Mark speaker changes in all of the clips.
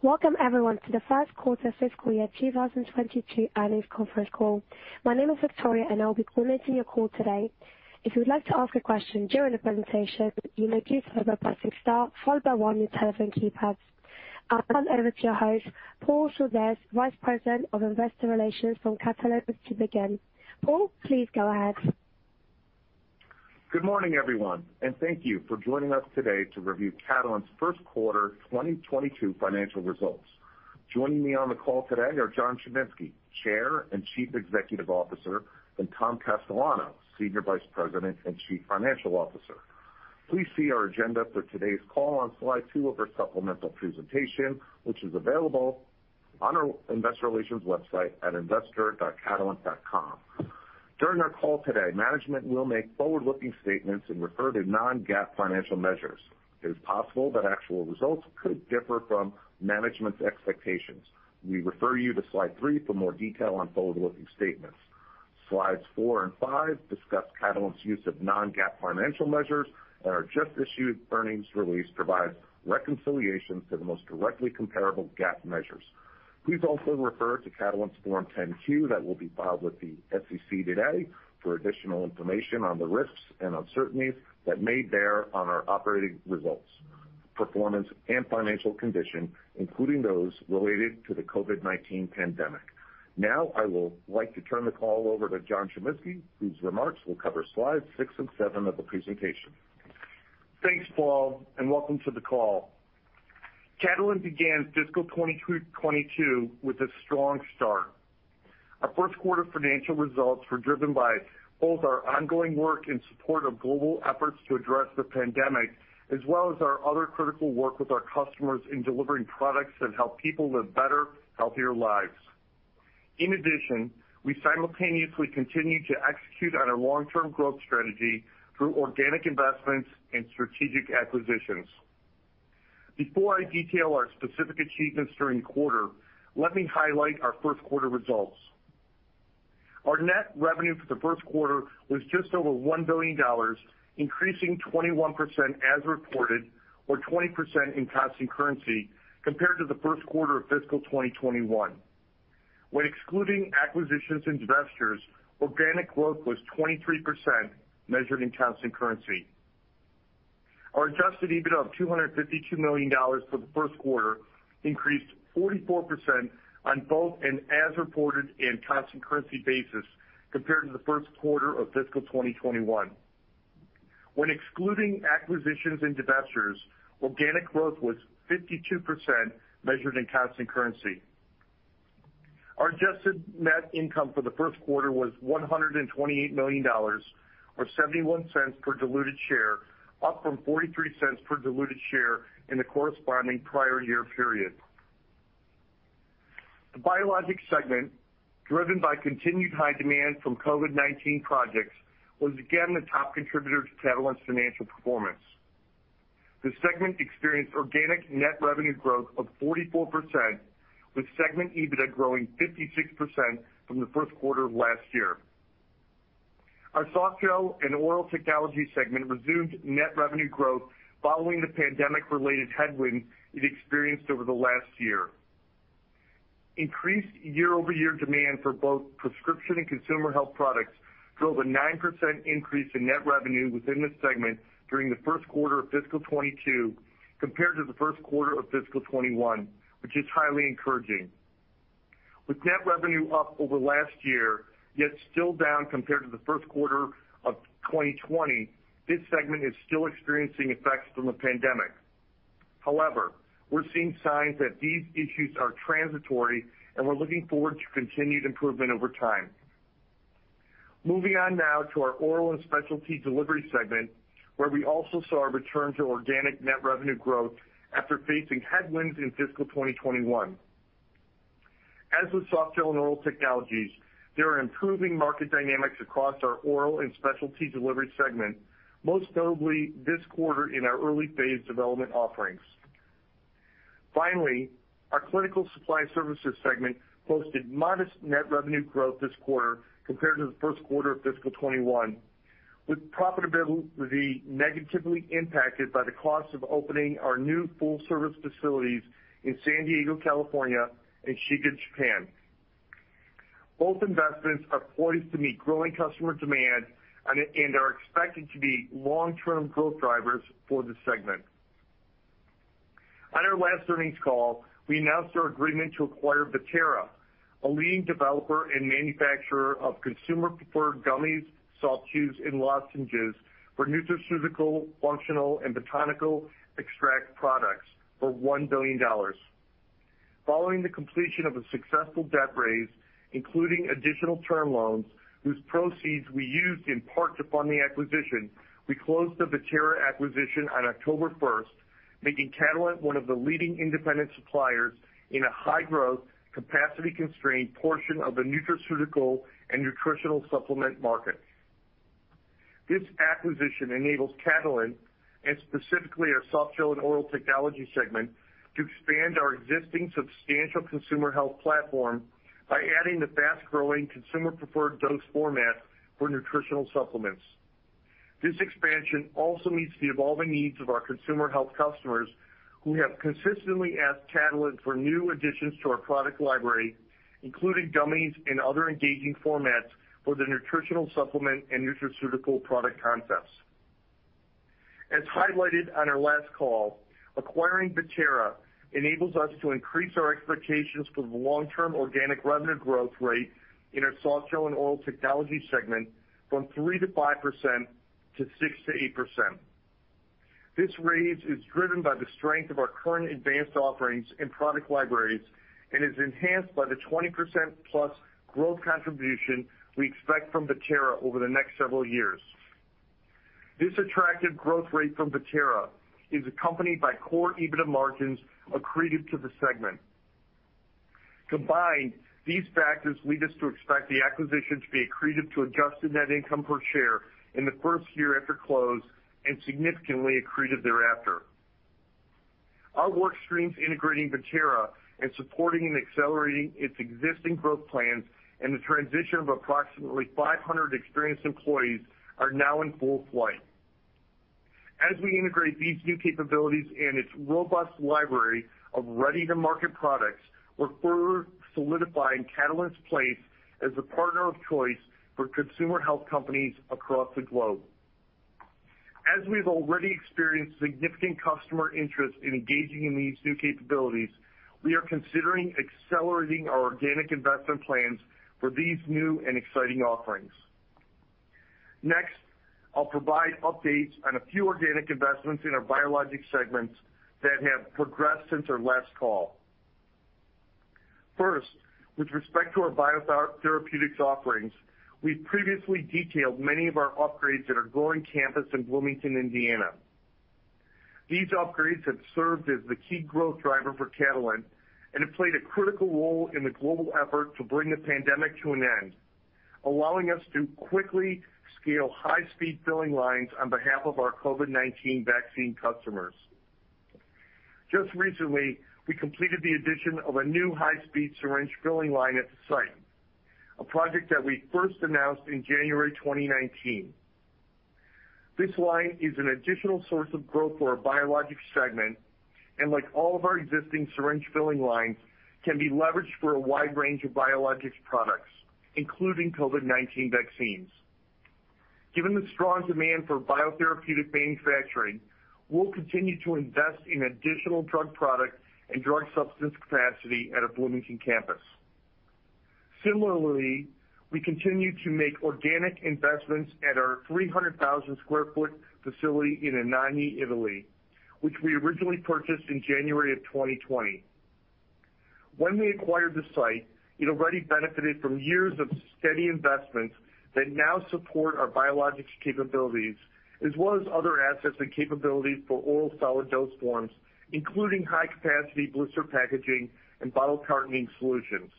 Speaker 1: Welcome, everyone, to the first quarter fiscal year 2022 earnings conference call. My name is Victoria and I'll be coordinating your call today. If you would like to ask a question during the presentation, you may do so by pressing star followed by one on your telephone keypad. I'll turn it over to your host, Paul Surdez, Vice President of Investor Relations from Catalent to begin. Paul, please go ahead.
Speaker 2: Good morning, everyone, and thank you for joining us today to review Catalent's first quarter 2022 financial results. Joining me on the call today are John Chiminski, Chair and Chief Executive Officer, and Thomas Castellano, Senior Vice President and Chief Financial Officer. Please see our agenda for today's call on slide two of our supplemental presentation, which is available on our investor relations website at investor.catalent.com. During our call today, management will make forward-looking statements and refer to non-GAAP financial measures. It is possible that actual results could differ from management's expectations. We refer you to slide three for more detail on forward-looking statements. Slides four and five discuss Catalent's use of non-GAAP financial measures, and our just-issued earnings release provides reconciliation to the most directly comparable GAAP measures. Please also refer to Catalent's Form 10-Q that will be filed with the SEC today for additional information on the risks and uncertainties that may bear on our operating results, performance, and financial condition, including those related to the COVID-19 pandemic. Now I will like to turn the call over to John Chiminski, whose remarks will cover slides six and seven of the presentation.
Speaker 3: Thanks, Paul, and welcome to the call. Catalent began fiscal 2022 with a strong start. Our first quarter financial results were driven by both our ongoing work in support of global efforts to address the pandemic, as well as our other critical work with our customers in delivering products that help people live better, healthier lives. In addition, we simultaneously continue to execute on our long-term growth strategy through organic investments and strategic acquisitions. Before I detail our specific achievements during the quarter, let me highlight our first quarter results. Our net revenue for the first quarter was just over $1 billion, increasing 21% as reported or 20% in constant currency compared to the first quarter of fiscal 2021. When excluding acquisitions and divestitures, organic growth was 23% measured in constant currency. Our Adjusted EBIT of $252 million for the first quarter increased 44% on both an as reported and constant currency basis compared to the first quarter of fiscal 2021. When excluding acquisitions and divestitures, organic growth was 52% measured in constant currency. Our adjusted net income for the first quarter was $128 million or $0.71 per diluted share, up from $0.43 per diluted share in the corresponding prior year period. The Biologics segment, driven by continued high demand from COVID-19 projects, was again the top contributor to Catalent's financial performance. The segment experienced organic net revenue growth of 44%, with segment EBIT growing 56% from the first quarter of last year. Our Softgel and Oral Technologies segment resumed net revenue growth following the pandemic-related headwind it experienced over the last year. Increased year-over-year demand for both prescription and consumer health products drove a 9% increase in net revenue within the segment during the first quarter of fiscal 2022 compared to the first quarter of fiscal 2021, which is highly encouraging. With net revenue up over last year, yet still down compared to the first quarter of 2020, this segment is still experiencing effects from the pandemic. However, we're seeing signs that these issues are transitory, and we're looking forward to continued improvement over time. Moving on now to our Oral and Specialty Delivery segment, where we also saw a return to organic net revenue growth after facing headwinds in fiscal 2021. As with Softgel and Oral Technologies, there are improving market dynamics across our Oral and Specialty Delivery segment, most notably this quarter in our early phase development offerings. Finally, our clinical supply services segment posted modest net revenue growth this quarter compared to the first quarter of fiscal 2021, with profitability negatively impacted by the cost of opening our new full-service facilities in San Diego, California and Shiga, Japan. Both investments are poised to meet growing customer demand and are expected to be long-term growth drivers for the segment. On our last earnings call, we announced our agreement to acquire Bettera, a leading developer and manufacturer of consumer preferred gummies, soft chews, and lozenges for nutraceutical, functional, and botanical extract products for $1 billion. Following the completion of a successful debt raise, including additional term loans whose proceeds we used in part to fund the acquisition, we closed the Bettera acquisition on October 1, making Catalent one of the leading independent suppliers in a high-growth, capacity-constrained portion of the nutraceutical and nutritional supplement market. This acquisition enables Catalent, and specifically our softgel and oral technologies segment, to expand our existing substantial consumer health platform by adding the fast-growing consumer preferred dose format for nutritional supplements. This expansion also meets the evolving needs of our consumer health customers who have consistently asked Catalent for new additions to our product library, including gummies and other engaging formats for the nutritional supplement and nutraceutical product concepts. As highlighted on our last call, acquiring Bettera enables us to increase our expectations for the long-term organic revenue growth rate in our softgel and oral technology segment from 3%-5% to 6%-8%. This raise is driven by the strength of our current advanced offerings and product libraries and is enhanced by the 20%+ growth contribution we expect from Bettera over the next several years. This attractive growth rate from Bettera is accompanied by core EBITDA margins accretive to the segment. Combined, these factors lead us to expect the acquisition to be accretive to adjusted net income per share in the first year after close and significantly accretive thereafter. Our work streams integrating Bettera and supporting and accelerating its existing growth plans and the transition of approximately 500 experienced employees are now in full flight. As we integrate these new capabilities and its robust library of ready-to-market products, we're further solidifying Catalent's place as a partner of choice for consumer health companies across the globe. As we've already experienced significant customer interest in engaging in these new capabilities, we are considering accelerating our organic investment plans for these new and exciting offerings. Next, I'll provide updates on a few organic investments in our biologics segments that have progressed since our last call. First, with respect to our biotherapeutics offerings, we've previously detailed many of our upgrades at our growing campus in Bloomington, Indiana. These upgrades have served as the key growth driver for Catalent, and have played a critical role in the global effort to bring the pandemic to an end, allowing us to quickly scale high-speed filling lines on behalf of our COVID-19 vaccine customers. Just recently, we completed the addition of a new high-speed syringe filling line at the site, a project that we first announced in January 2019. This line is an additional source of growth for our biologics segment, and like all of our existing syringe filling lines, can be leveraged for a wide range of biologics products, including COVID-19 vaccines. Given the strong demand for biotherapeutic manufacturing, we'll continue to invest in additional drug product and drug substance capacity at our Bloomington campus. Similarly, we continue to make organic investments at our 300,000 sq ft facility in Anagni, Italy, which we originally purchased in January 2020. When we acquired the site, it already benefited from years of steady investments that now support our biologics capabilities, as well as other assets and capabilities for oral solid dose forms, including high-capacity blister packaging and bottle cartoning solutions.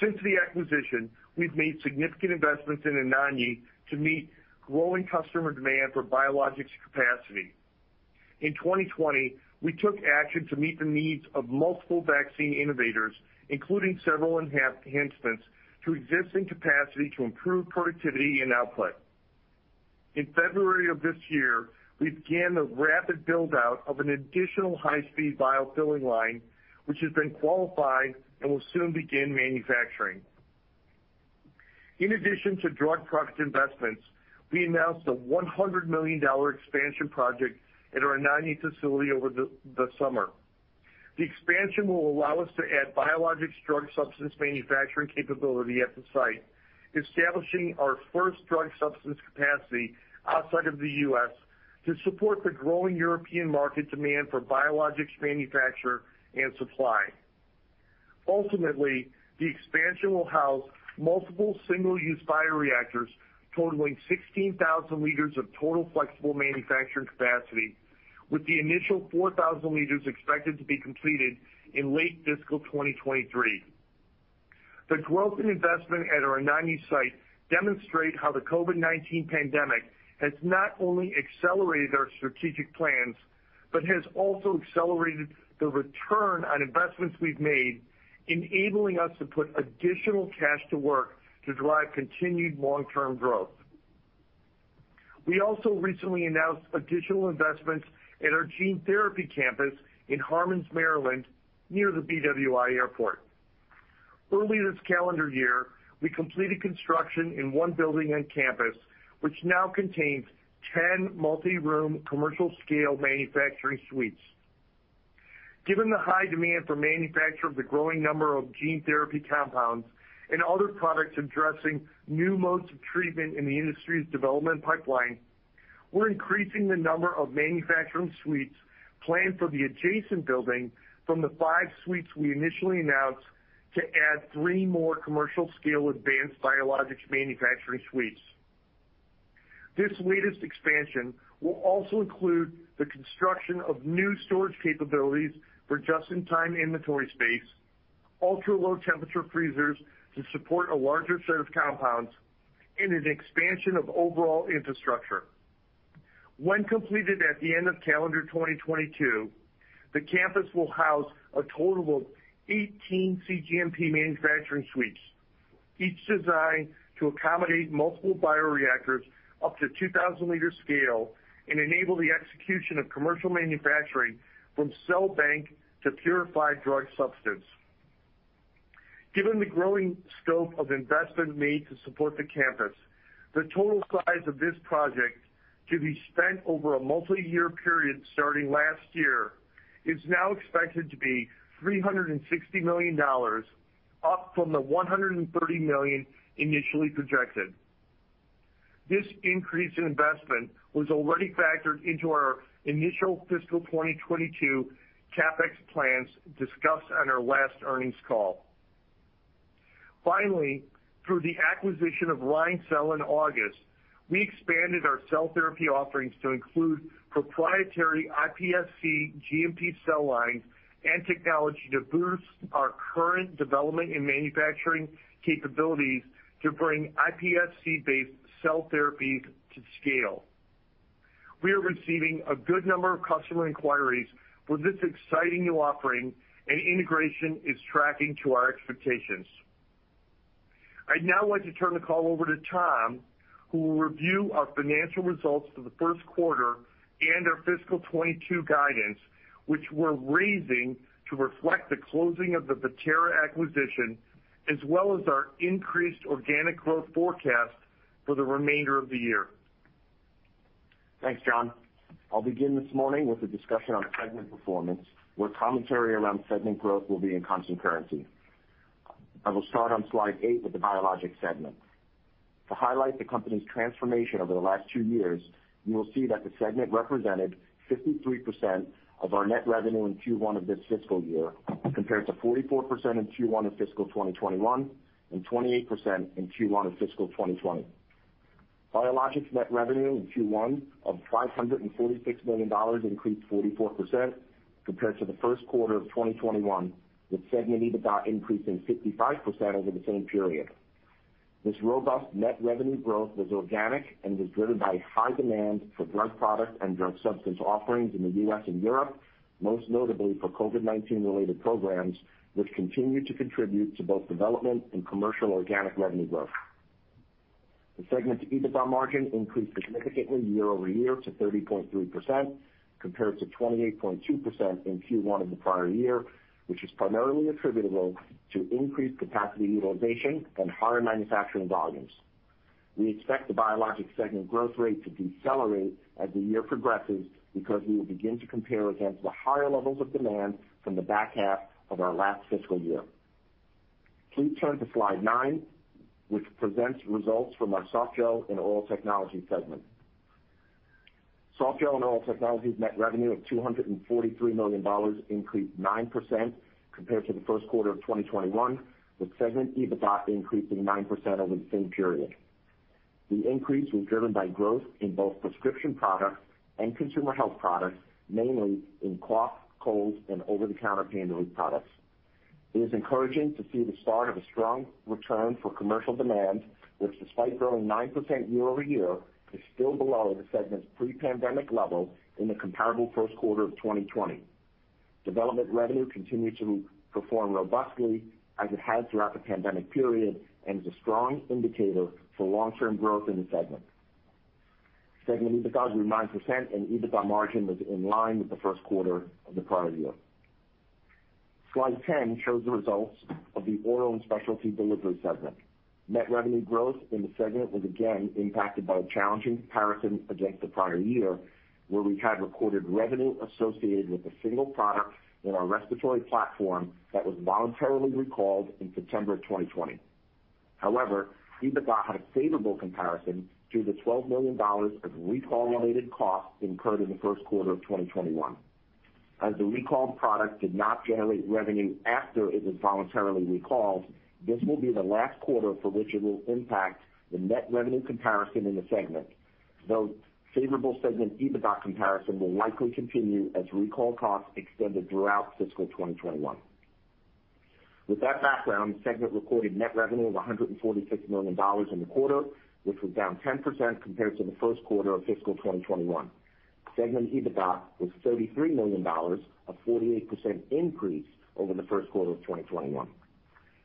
Speaker 3: Since the acquisition, we've made significant investments in Anagni to meet growing customer demand for biologics capacity. In 2020, we took action to meet the needs of multiple vaccine innovators, including several enhancements to existing capacity to improve productivity and output. In February of this year, we began the rapid build-out of an additional high-speed biofilling line, which has been qualified and will soon begin manufacturing. In addition to drug product investments, we announced a $100 million expansion project at our Anagni facility over the summer. The expansion will allow us to add biologics drug substance manufacturing capability at the site, establishing our first drug substance capacity outside of the U.S. to support the growing European market demand for biologics manufacture and supply. Ultimately, the expansion will house multiple single-use bioreactors totaling 16,000 liters of total flexible manufacturing capacity, with the initial 4,000 liters expected to be completed in late fiscal 2023. The growth and investment at our Anagni site demonstrate how the COVID-19 pandemic has not only accelerated our strategic plans, but has also accelerated the return on investments we've made, enabling us to put additional cash to work to drive continued long-term growth. We also recently announced additional investments at our gene therapy campus in Harmans, Maryland, near the BWI Airport. Early this calendar year, we completed construction in one building on campus, which now contains 10 multi-room commercial scale manufacturing suites. Given the high demand for manufacture of the growing number of gene therapy compounds and other products addressing new modes of treatment in the industry's development pipeline, we're increasing the number of manufacturing suites planned for the adjacent building from the five suites we initially announced to add three more commercial scale advanced biologics manufacturing suites. This latest expansion will also include the construction of new storage capabilities for just-in-time inventory space, ultra-low temperature freezers to support a larger set of compounds, and an expansion of overall infrastructure. When completed at the end of calendar 2022, the campus will house a total of 18 cGMP manufacturing suites, each designed to accommodate multiple bioreactors up to 2000-liter scale and enable the execution of commercial manufacturing from cell bank to purified drug substance. Given the growing scope of investment made to support the campus, the total size of this project to be spent over a multi-year period starting last year is now expected to be $360 million, up from the $130 million initially projected. This increase in investment was already factored into our initial fiscal 2022 CapEx plans discussed on our last earnings call. Finally, through the acquisition of RheinCell in August, we expanded our cell therapy offerings to include proprietary iPSC GMP cell lines and technology to boost our current development and manufacturing capabilities to bring iPSC-based cell therapies to scale. We are receiving a good number of customer inquiries for this exciting new offering, and integration is tracking to our expectations. I'd now like to turn the call over to Tom, who will review our financial results for the first quarter and our fiscal 2022 guidance, which we're raising to reflect the closing of the Bettera acquisition, as well as our increased organic growth forecast for the remainder of the year.
Speaker 4: Thanks, John. I'll begin this morning with a discussion on segment performance, where commentary around segment growth will be in constant currency. I will start on slide 8 with the Biologics segment. To highlight the company's transformation over the last two years, you will see that the segment represented 53% of our net revenue in Q1 of this fiscal year, compared to 44% in Q1 of fiscal 2021 and 28% in Q1 of fiscal 2020. Biologics net revenue in Q1 of $546 million increased 44% compared to the first quarter of 2021, with segment EBITDA increasing 55% over the same period. This robust net revenue growth was organic and was driven by high demand for drug product and drug substance offerings in the U.S. and Europe, most notably for COVID-19 related programs, which continue to contribute to both development and commercial organic revenue growth. The segment's EBITDA margin increased significantly year-over-year to 30.3% compared to 28.2% in Q1 of the prior year, which is primarily attributable to increased capacity utilization and higher manufacturing volumes. We expect the Biologics segment growth rate to decelerate as the year progresses because we will begin to compare against the higher levels of demand from the back half of our last fiscal year. Please turn to slide 9, which presents results from our Softgel and Oral Technology segment. Softgel and Oral Technology's net revenue of $243 million increased 9% compared to the first quarter of 2021, with segment EBITDA increasing 9% over the same period. The increase was driven by growth in both prescription products and consumer health products, mainly in cough, cold, and over-the-counter pain relief products. It is encouraging to see the start of a strong return for commercial demand, which despite growing 9% year-over-year is still below the segment's pre-pandemic level in the comparable first quarter of 2020. Development revenue continued to perform robustly as it has throughout the pandemic period and is a strong indicator for long-term growth in the segment. Segment EBITDA grew 9%, and EBITDA margin was in line with the first quarter of the prior year. Slide 10 shows the results of the Oral and Specialty Delivery segment. Net revenue growth in the segment was again impacted by a challenging comparison against the prior year, where we had recorded revenue associated with a single product in our respiratory platform that was voluntarily recalled in September 2020. However, EBITDA had a favorable comparison due to $12 million of recall-related costs incurred in the first quarter of 2021. As the recalled product did not generate revenue after it was voluntarily recalled, this will be the last quarter for which it will impact the net revenue comparison in the segment, though favorable segment EBITDA comparison will likely continue as recall costs extended throughout fiscal 2021. With that background, the segment recorded net revenue of $146 million in the quarter, which was down 10% compared to the first quarter of fiscal 2021. Segment EBITDA was $33 million, a 48% increase over the first quarter of 2021.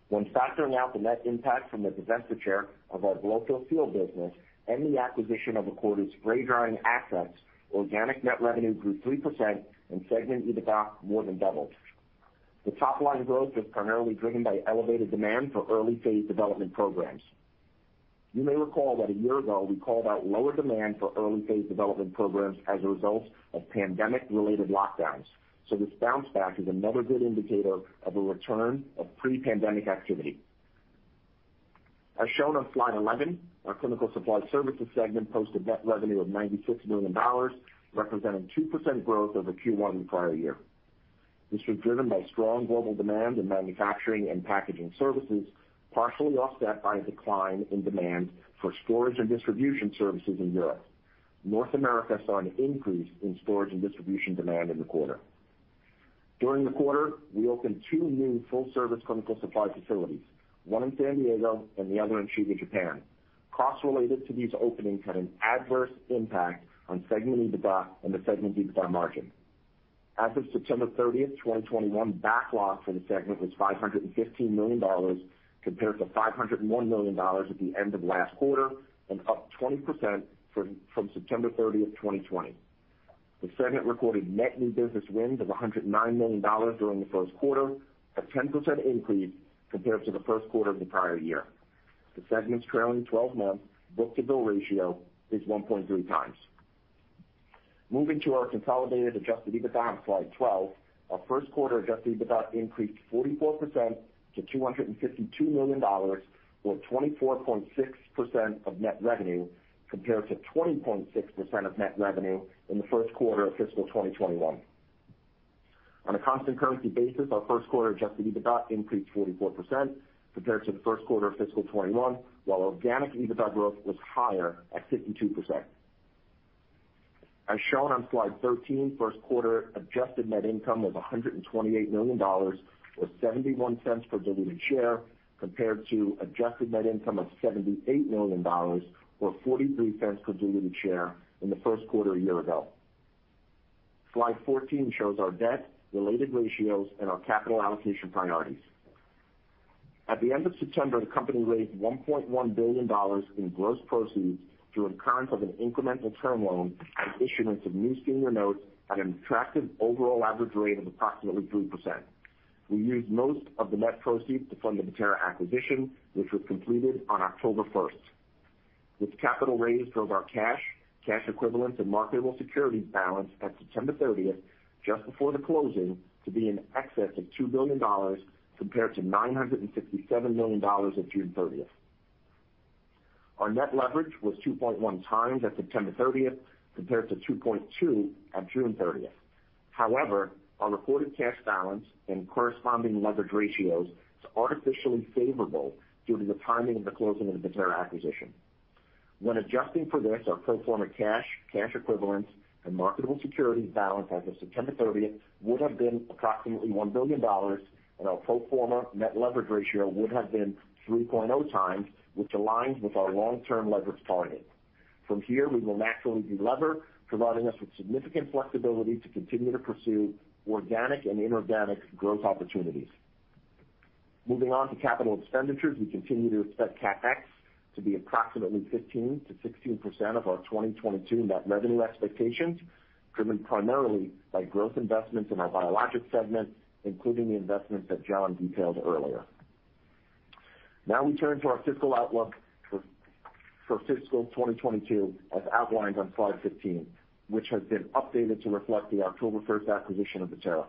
Speaker 4: When factoring out the net impact from the divestiture of our Blow-Fill-Seal business and the acquisition of Acorda's spray drying assets, organic net revenue grew 3% and segment EBITDA more than doubled. The top-line growth was primarily driven by elevated demand for early-phase development programs. You may recall that a year ago, we called out lower demand for early-phase development programs as a result of pandemic-related lockdowns. This bounce back is another good indicator of a return of pre-pandemic activity. As shown on slide 11, our Clinical Supply Services segment posted net revenue of $96 million, representing 2% growth over Q1 of the prior year. This was driven by strong global demand in manufacturing and packaging services, partially offset by a decline in demand for storage and distribution services in Europe. North America saw an increase in storage and distribution demand in the quarter. During the quarter, we opened two new full-service clinical supply facilities, one in San Diego and the other in Shiga, Japan. Costs related to these openings had an adverse impact on segment EBITDA and the segment EBITDA margin. As of September 30, 2021, backlogs in the segment was $515 million compared to $501 million at the end of last quarter and up 20% from September 30, 2020. The segment recorded net new business wins of $109 million during the first quarter, a 10% increase compared to the first quarter of the prior year. The segment's trailing twelve-month book-to-bill ratio is 1.3 times. Moving to our consolidated adjusted EBITDA on slide 12, our first quarter adjusted EBITDA increased 44% to $252 million, or 24.6% of net revenue compared to 20.6% of net revenue in the first quarter of fiscal 2021. On a constant currency basis, our first quarter adjusted EBITDA increased 44% compared to the first quarter of fiscal 2021, while organic EBITDA growth was higher at 52%. As shown on slide 13, first quarter adjusted net income was $128 million, or $0.71 per diluted share, compared to adjusted net income of $78 million or $0.43 per diluted share in the first quarter a year ago. Slide 14 shows our debt related ratios and our capital allocation priorities. At the end of September, the company raised $1.1 billion in gross proceeds through the incurrence of an incremental term loan and issuance of new senior notes at an attractive overall average rate of approximately 3%. We used most of the net proceeds to fund the Bettera acquisition, which was completed on October 1. The capital raised drove our cash equivalents, and marketable securities balance at September 30, just before the closing, to be in excess of $2 billion compared to $967 million at June 30. Our net leverage was 2.1x at September 30 compared to 2.2 at June 30. However, our reported cash balance and corresponding leverage ratios are artificially favorable due to the timing of the closing of the Bettera acquisition. When adjusting for this, our pro forma cash equivalents, and marketable securities balance as of September 30 would have been approximately $1 billion, and our pro forma net leverage ratio would have been 3.0x, which aligns with our long-term leverage target. From here, we will naturally delever, providing us with significant flexibility to continue to pursue organic and inorganic growth opportunities. Moving on to capital expenditures. We continue to expect CapEx to be approximately 15%-16% of our 2022 net revenue expectations, driven primarily by growth investments in our Biologics segment, including the investments that John detailed earlier. Now we turn to our fiscal outlook for fiscal 2022 as outlined on slide 15, which has been updated to reflect the October 1 acquisition of Bettera.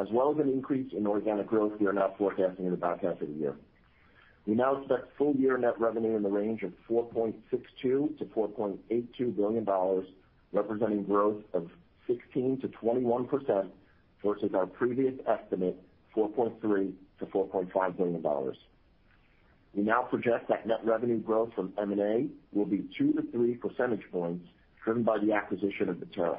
Speaker 4: As well as an increase in organic growth, we are now forecasting in the back half of the year. We now expect full year net revenue in the range of $4.62 billion-$4.82 billion, representing growth of 16%-21% versus our previous estimate, $4.3 billion-$4.5 billion. We now project that net revenue growth from M&A will be 2-3 percentage points driven by the acquisition of Bettera.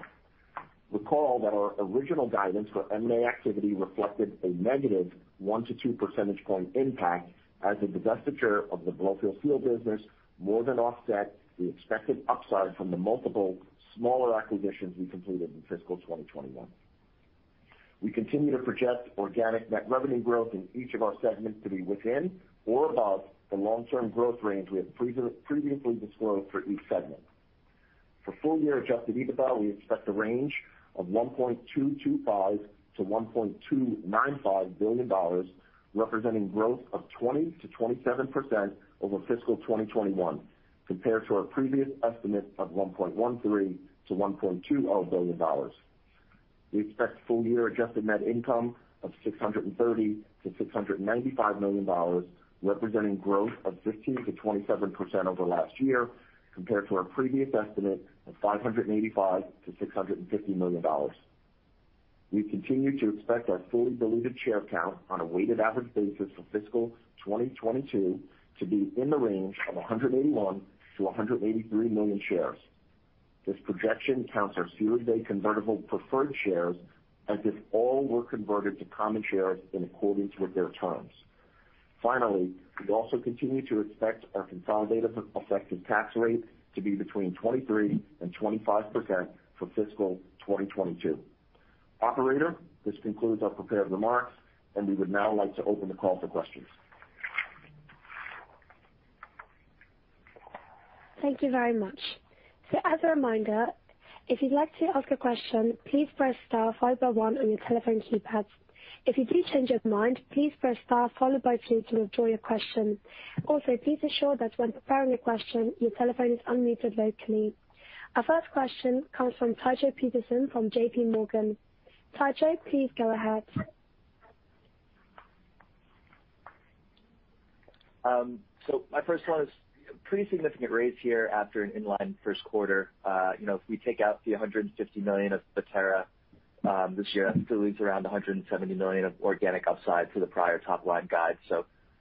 Speaker 4: Recall that our original guidance for M&A activity reflected a negative 1-2 percentage point impact as a divestiture of the Blow-Fill-Seal business more than offset the expected upside from the multiple smaller acquisitions we completed in fiscal 2021. We continue to project organic net revenue growth in each of our segments to be within or above the long-term growth range we have previously disclosed for each segment. For full year adjusted EBITDA, we expect a range of $1.225 billion-$1.295 billion, representing 20%-27% growth over fiscal 2021 compared to our previous estimate of $1.13 billion-$1.2 billion. We expect full year adjusted net income of $630 million-$695 million, representing 15%-27% growth over last year compared to our previous estimate of $585 million-$650 million. We continue to expect our fully diluted share count on a weighted average basis for fiscal 2022 to be in the range of 181-183 million shares. This projection counts our Series A convertible preferred shares as if all were converted to common shares in accordance with their terms. Finally, we also continue to expect our consolidated effective tax rate to be between 23%-25% for fiscal 2022. Operator, this concludes our prepared remarks, and we would now like to open the call for questions.
Speaker 1: Thank you very much. As a reminder, if you'd like to ask a question, please press star five by one on your telephone keypad. If you do change your mind, please press star followed by three to withdraw your question. Also, please ensure that when preparing your question, your telephone is unmuted locally. Our first question comes from Tycho Peterson from JPMorgan. Tycho, please go ahead.
Speaker 5: My first one is a pretty significant raise here after an in-line first quarter. You know, if we take out the $150 million of Bettera this year, that still leaves around $170 million of organic upside for the prior top line guide.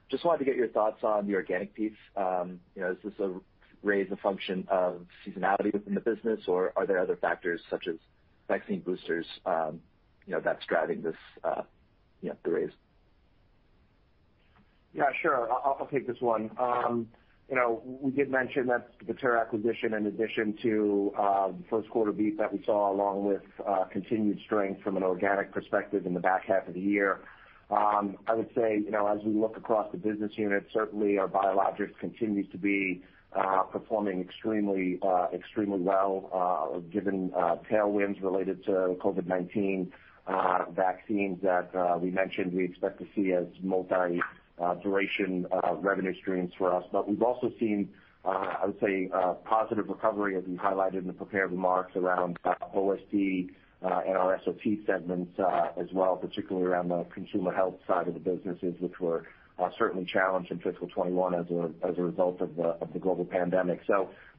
Speaker 5: Just wanted to get your thoughts on the organic piece. You know, is this a raise a function of seasonality within the business, or are there other factors such as vaccine boosters, you know, that's driving this, you know, the raise?
Speaker 4: Yeah, sure. I'll take this one. You know, we did mention that the Bettera acquisition in addition to the first quarter beat that we saw along with continued strength from an organic perspective in the back half of the year. I would say, you know, as we look across the business units, certainly our biologics continues to be performing extremely well given tailwinds related to COVID-19 vaccines that we mentioned we expect to see as multi-duration revenue streams for us. We've also seen, I would say, positive recovery as we highlighted in the prepared remarks around OSD and our SOT segments as well, particularly around the consumer health side of the businesses which were certainly challenged in fiscal 2021 as a result of the global pandemic.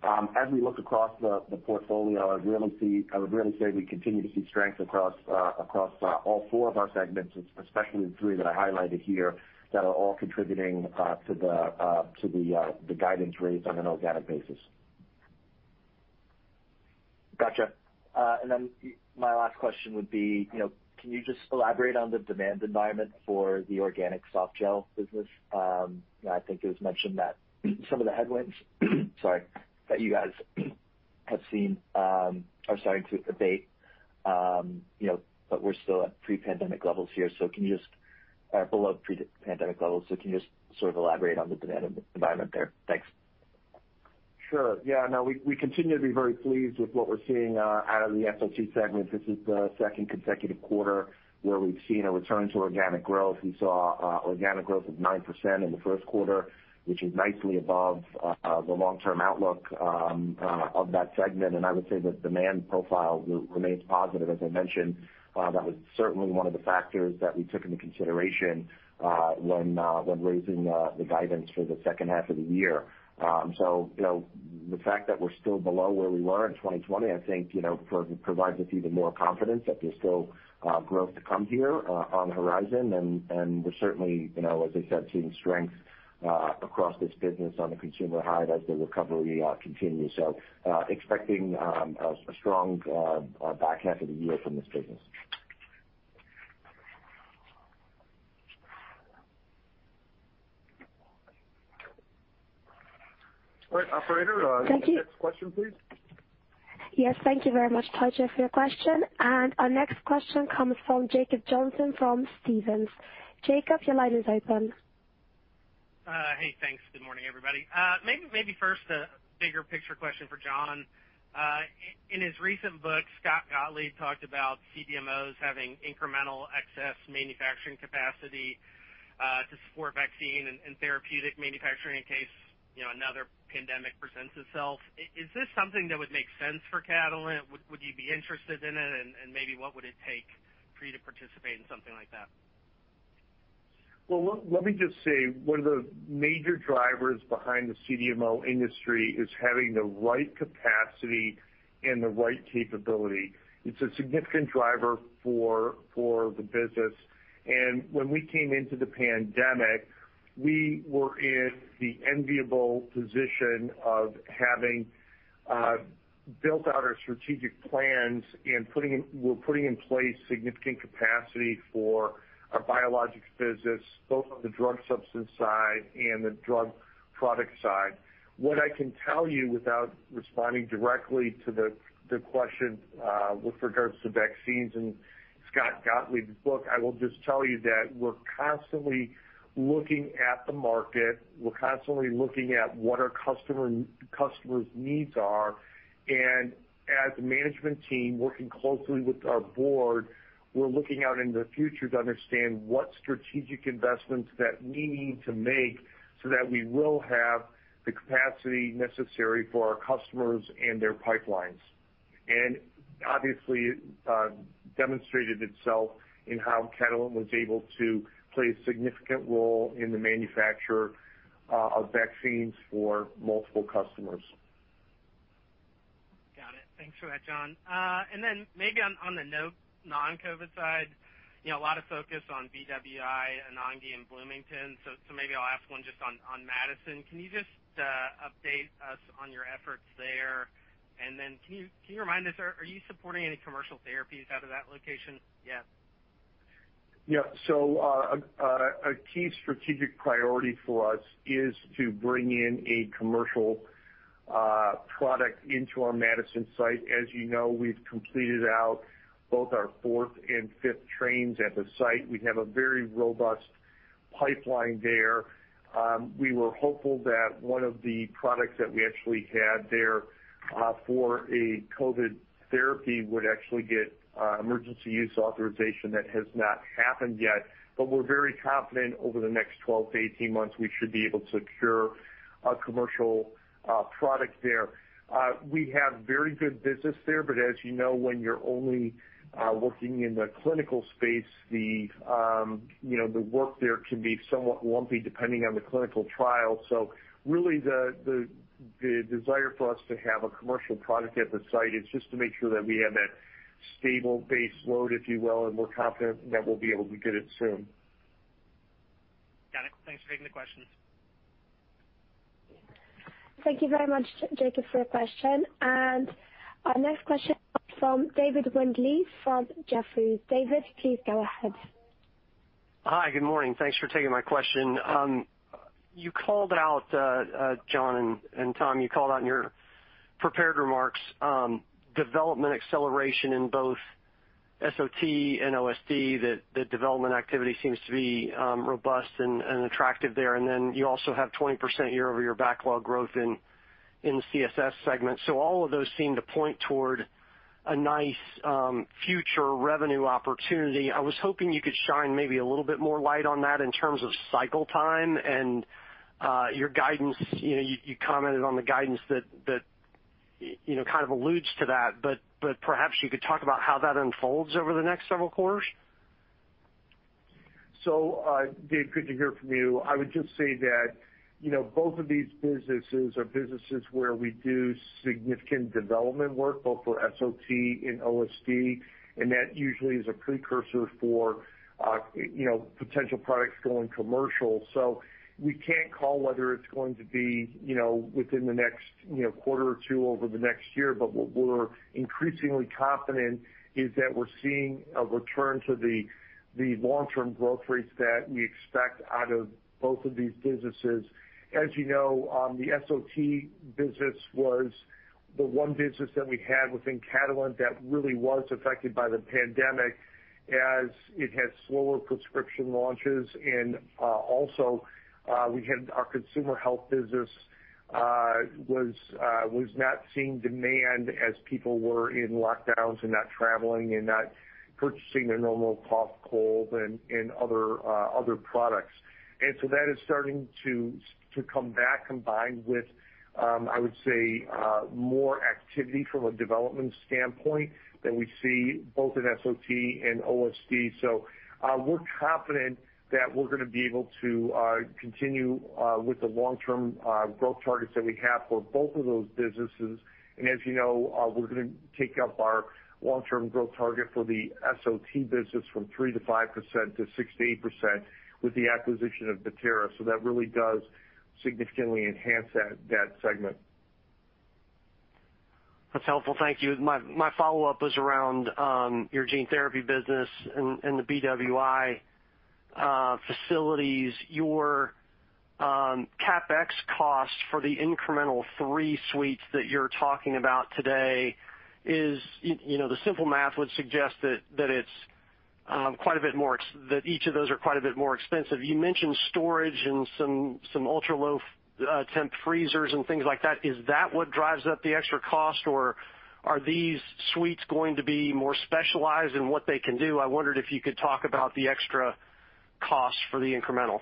Speaker 4: As we look across the portfolio, I would really say we continue to see strength across all four of our segments, especially the three that I highlighted here that are all contributing to the guidance raise on an organic basis.
Speaker 5: Gotcha. Then my last question would be, you know, can you just elaborate on the demand environment for the organic softgel business? I think it was mentioned that some of the headwinds, sorry, that you guys have seen, are starting to abate. You know, we're still below pre-pandemic levels here. Can you just sort of elaborate on the demand environment there? Thanks.
Speaker 4: Sure. Yeah, no, we continue to be very pleased with what we're seeing out of the SOT segment. This is the second consecutive quarter where we've seen a return to organic growth. We saw organic growth of 9% in the first quarter, which is nicely above the long-term outlook of that segment. I would say the demand profile remains positive. As I mentioned, that was certainly one of the factors that we took into consideration when raising the guidance for the second half of the year. You know, the fact that we're still below where we were in 2020, I think, you know, provides us even more confidence that there's still growth to come here on the horizon. We're certainly, you know, as I said, seeing strength across this business on the consumer side as the recovery continues, expecting a strong back half of the year from this business.
Speaker 3: All right, operator.
Speaker 1: Thank you.
Speaker 3: Next question, please.
Speaker 1: Yes, thank you very much, Tycho, for your question. Our next question comes from Jacob Johnson from Stephens. Jacob, your line is open.
Speaker 6: Hey, thanks. Good morning, everybody. Maybe first a bigger picture question for John. In his recent book, Scott Gottlieb talked about CDMOs having incremental excess manufacturing capacity to support vaccine and therapeutic manufacturing in case, you know, another pandemic presents itself. Is this something that would make sense for Catalent? Would you be interested in it, and maybe what would it take for you to participate in something like that?
Speaker 3: Well, let me just say one of the major drivers behind the CDMO industry is having the right capacity and the right capability. It's a significant driver for the business. When we came into the pandemic, we were in the enviable position of having built out our strategic plans and we're putting in place significant capacity for our biologics business, both on the drug substance side and the drug product side. What I can tell you without responding directly to the question, with regards to vaccines and Scott Gottlieb's book, I will just tell you that we're constantly looking at the market. We're constantly looking at what our customer's needs are. As a management team working closely with our board, we're looking out into the future to understand what strategic investments that we need to make so that we will have the capacity necessary for our customers and their pipelines. Obviously, demonstrated itself in how Catalent was able to play a significant role in the manufacture of vaccines for multiple customers.
Speaker 6: Got it. Thanks for that, John. Maybe on the non-COVID side, you know, a lot of focus on BWI, Anagni, and Bloomington. Maybe I'll ask one just on Madison. Can you just update us on your efforts there? Can you remind us, are you supporting any commercial therapies out of that location yet?
Speaker 3: A key strategic priority for us is to bring in a commercial product into our Madison site. As you know, we've completed both our fourth and fifth trains at the site. We have a very robust pipeline there. We were hopeful that one of the products that we actually had there for a COVID-19 therapy would actually get Emergency Use Authorization. That has not happened yet, but we're very confident over the next 12-18 months we should be able to secure a commercial product there. We have very good business there, but as you know, when you're only looking in the clinical space, you know, the work there can be somewhat lumpy depending on the clinical trial. Really the desire for us to have a commercial product at the site is just to make sure that we have that stable base load, if you will, and we're confident that we'll be able to get it soon.
Speaker 6: Got it. Thanks for taking the question.
Speaker 1: Thank you very much, Jacob, for your question. Our next question comes from David Windley from Jefferies. David, please go ahead.
Speaker 7: Hi. Good morning. Thanks for taking my question. You called out, John and Tom, you called out in your prepared remarks, development acceleration in both SOT and OSD, that the development activity seems to be robust and attractive there. Then you also have 20% year-over-year backlog growth in the CSS segment. All of those seem to point toward a nice future revenue opportunity. I was hoping you could shine maybe a little bit more light on that in terms of cycle time and your guidance. You know, you commented on the guidance that you know, kind of alludes to that, but perhaps you could talk about how that unfolds over the next several quarters.
Speaker 3: Dave, good to hear from you. I would just say that, you know, both of these businesses are businesses where we do significant development work, both for SOT and OSD, and that usually is a precursor for, you know, potential products going commercial. We can't call whether it's going to be, you know, within the next, you know, quarter or two over the next year. What we're increasingly confident is that we're seeing a return to the long-term growth rates that we expect out of both of these businesses. As you know, the SOT business was the one business that we had within Catalent that really was affected by the pandemic as it had slower prescription launches. We had our consumer health business was not seeing demand as people were in lockdowns and not traveling and not purchasing their normal cough, cold and other products. That is starting to come back combined with I would say more activity from a development standpoint than we see both in SOT and OSD. We're confident that we're gonna be able to continue with the long-term growth targets that we have for both of those businesses. As you know, we're gonna take up our long-term growth target for the SOT business from 3%-5% to 6%-8% with the acquisition of Bettera. That really does significantly enhance that segment.
Speaker 7: That's helpful. Thank you. My follow-up was around your gene therapy business and the BWI facilities. Your CapEx cost for the incremental three suites that you're talking about today is, you know, the simple math would suggest that it's quite a bit more. That each of those are quite a bit more expensive. You mentioned storage and some ultra low temp freezers and things like that. Is that what drives up the extra cost, or are these suites going to be more specialized in what they can do? I wondered if you could talk about the extra costs for the incremental.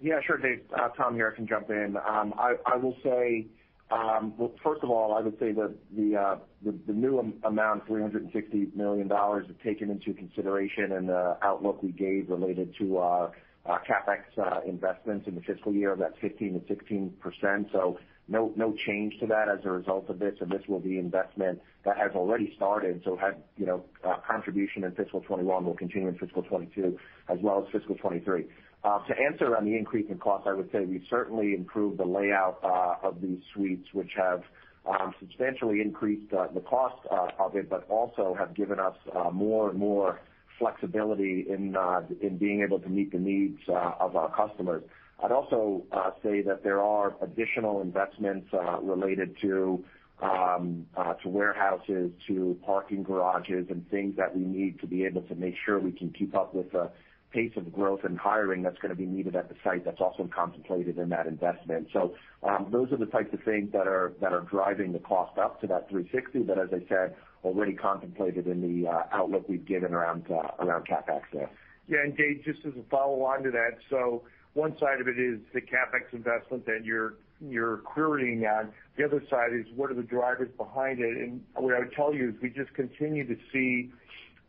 Speaker 4: Yeah, sure, Dave. Tom here. I can jump in. I will say, well, first of all, I would say that the new announced amount, $360 million is taken into consideration in the outlook we gave related to CapEx investments in the fiscal year of that 15%-16%. No change to that as a result of this. This will be investment that has already started, so had you know contribution in fiscal 2021, will continue in fiscal 2022 as well as fiscal 2023. To answer on the increase in costs, I would say we've certainly improved the layout of these suites, which have substantially increased the cost of it, but also have given us more and more flexibility in being able to meet the needs of our customers. I'd also say that there are additional investments related to warehouses, to parking garages, and things that we need to be able to make sure we can keep up with the pace of growth and hiring that's gonna be needed at the site that's also contemplated in that investment. Those are the types of things that are driving the cost up to that $360, but as I said, already contemplated in the outlook we've given around CapEx there.
Speaker 3: Yeah. Dave, just as a follow-on to that, so one side of it is the CapEx investment that you're querying on. The other side is what are the drivers behind it? What I would tell you is we just continue to see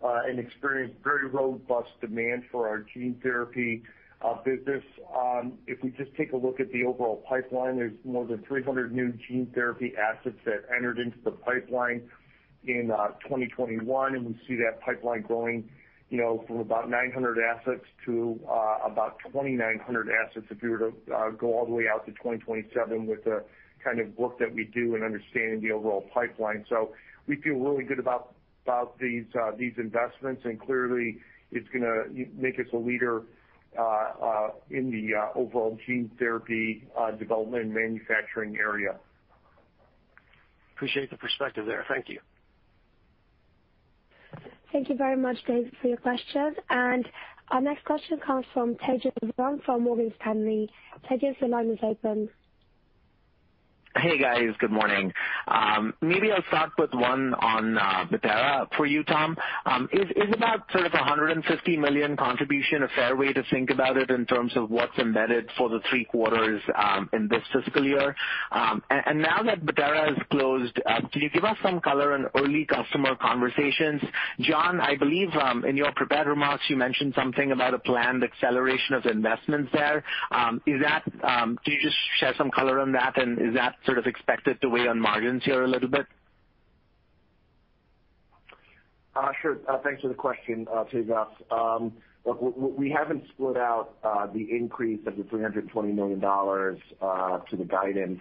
Speaker 3: and experience very robust demand for our gene therapy business. If we just take a look at the overall pipeline, there's more than 300 new gene therapy assets that entered into the pipeline in 2021. We see that pipeline growing, you know, from about 900 assets to about 2,900 assets if we were to go all the way out to 2027 with the kind of work that we do in understanding the overall pipeline. We feel really good about these investments, and clearly it's gonna make us a leader in the overall gene therapy development and manufacturing area.
Speaker 7: Appreciate the perspective there. Thank you.
Speaker 1: Thank you very much, Dave, for your questions. Our next question comes from Tejas Savant from Morgan Stanley. Tejas, your line is open.
Speaker 8: Hey, guys. Good morning. Maybe I'll start with one on Bettera for you, Tom. Is about sort of $150 million contribution a fair way to think about it in terms of what's embedded for the three quarters in this fiscal year? And now that Bettera is closed, can you give us some color on early customer conversations? John, I believe in your prepared remarks, you mentioned something about a planned acceleration of investments there. Is that. Can you just share some color on that, and is that sort of expected to weigh on margins here a little bit?
Speaker 4: Sure. Thanks for the question, Tejas. Look, we haven't split out the increase of $320 million to the guidance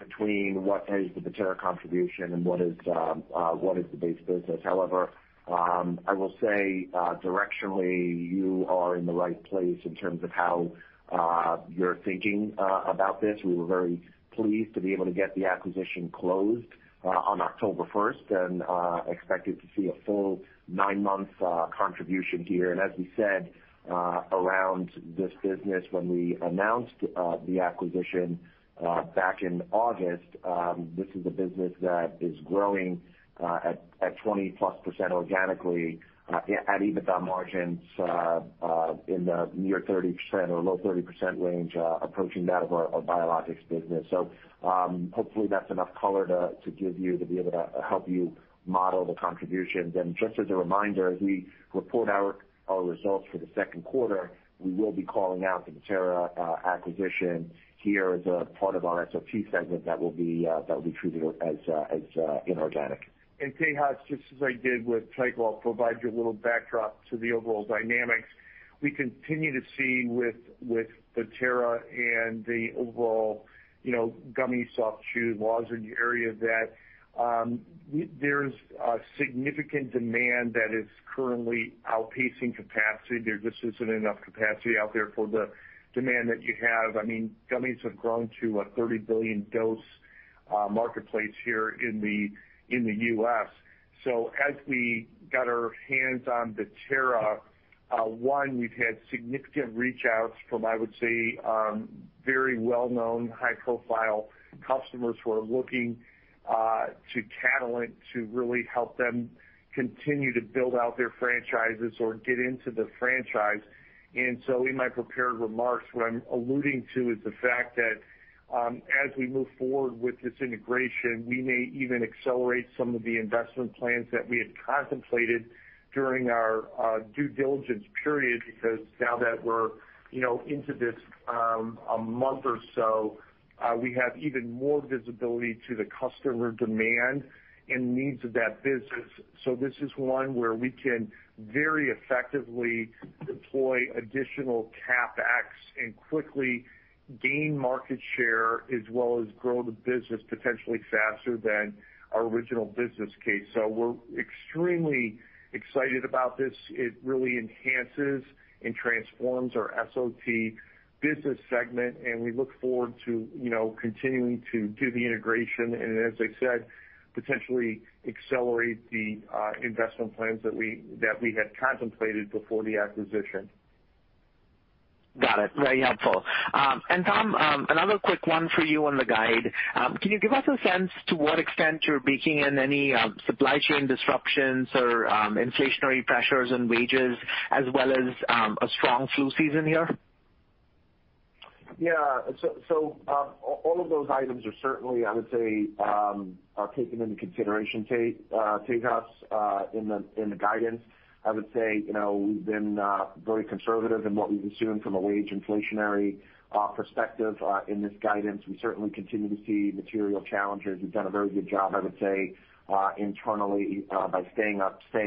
Speaker 4: between what is the Bettera contribution and what is the base business. However, I will say, directionally, you are in the right place in terms of how you're thinking about this. We were very pleased to be able to get the acquisition closed on October first and expected to see a full 9-month contribution here. As we said around this business when we announced the acquisition back in August, this is a business that is growing at 20+% organically at EBITDA margins in the near 30% or low 30% range approaching that of our biologics business. Hopefully that's enough color to give you to be able to help you model the contributions. Just as a reminder, as we report our results for the second quarter, we will be calling out the Bettera acquisition here as a part of our SOT segment that will be treated as inorganic.
Speaker 3: Tejas, just as I did with Tycho, I'll provide you a little backdrop to the overall dynamics. We continue to see with Bettera and the overall, you know, gummy, soft chew, lozenge area that there's a significant demand that is currently outpacing capacity. There just isn't enough capacity out there for the demand that you have. I mean, gummies have grown to a 30 billion dose marketplace here in the U.S. As we got our hands on Bettera, one, we've had significant reach outs from, I would say, very well-known, high-profile customers who are looking to Catalent to really help them continue to build out their franchises or get into the franchise. In my prepared remarks, what I'm alluding to is the fact that, as we move forward with this integration, we may even accelerate some of the investment plans that we had contemplated during our due diligence period, because now that we're, you know, into this, a month or so, we have even more visibility to the customer demand and needs of that business. This is one where we can very effectively deploy additional CapEx and quickly gain market share, as well as grow the business potentially faster than our original business case. We're extremely excited about this. It really enhances and transforms our SOT business segment, and we look forward to, you know, continuing to do the integration and as I said, potentially accelerate the investment plans that we had contemplated before the acquisition.
Speaker 8: Got it. Very helpful. Tom, another quick one for you on the guide. Can you give us a sense of what extent you're baking in any supply chain disruptions or inflationary pressures on wages as well as a strong flu season here?
Speaker 4: Yeah. All of those items are certainly, I would say, are taken into consideration, Tejas, in the guidance. I would say, you know, we've been very conservative in what we've assumed from a wage inflationary perspective in this guidance. We certainly continue to see material challenges. We've done a very good job, I would say, internally, by staying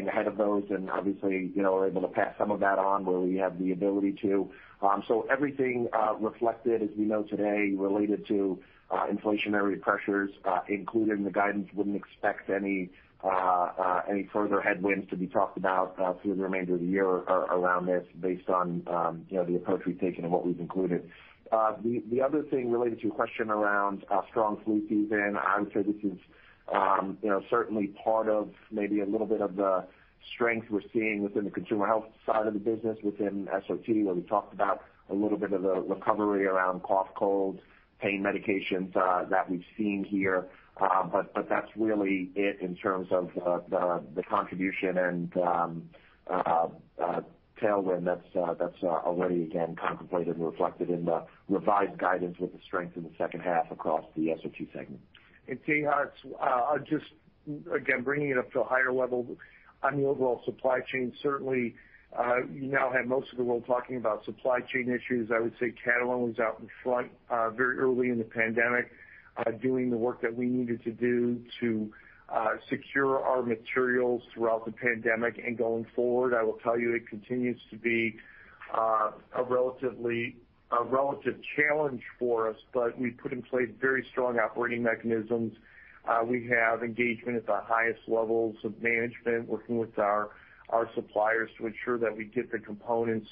Speaker 4: ahead of those and obviously, you know, able to pass some of that on where we have the ability to. Everything reflected as we know today related to inflationary pressures, including the guidance, wouldn't expect any further headwinds to be talked about through the remainder of the year around this based on, you know, the approach we've taken and what we've included. The other thing related to your question around a strong flu season, I would say this is, you know, certainly part of maybe a little bit of the strength we're seeing within the consumer health side of the business within SOT, where we talked about a little bit of the recovery around cough, cold, pain medications that we've seen here. That's really it in terms of the contribution and tailwind that's already again contemplated and reflected in the revised guidance with the strength in the second half across the SOT segment.
Speaker 3: Tejas, I'll just again bringing it up to a higher level on the overall supply chain. Certainly, you now have most of the world talking about supply chain issues. I would say Catalent was out in front very early in the pandemic doing the work that we needed to do to secure our materials throughout the pandemic. Going forward, I will tell you it continues to be a relative challenge for us. We put in place very strong operating mechanisms. We have engagement at the highest levels of management working with our suppliers to ensure that we get the components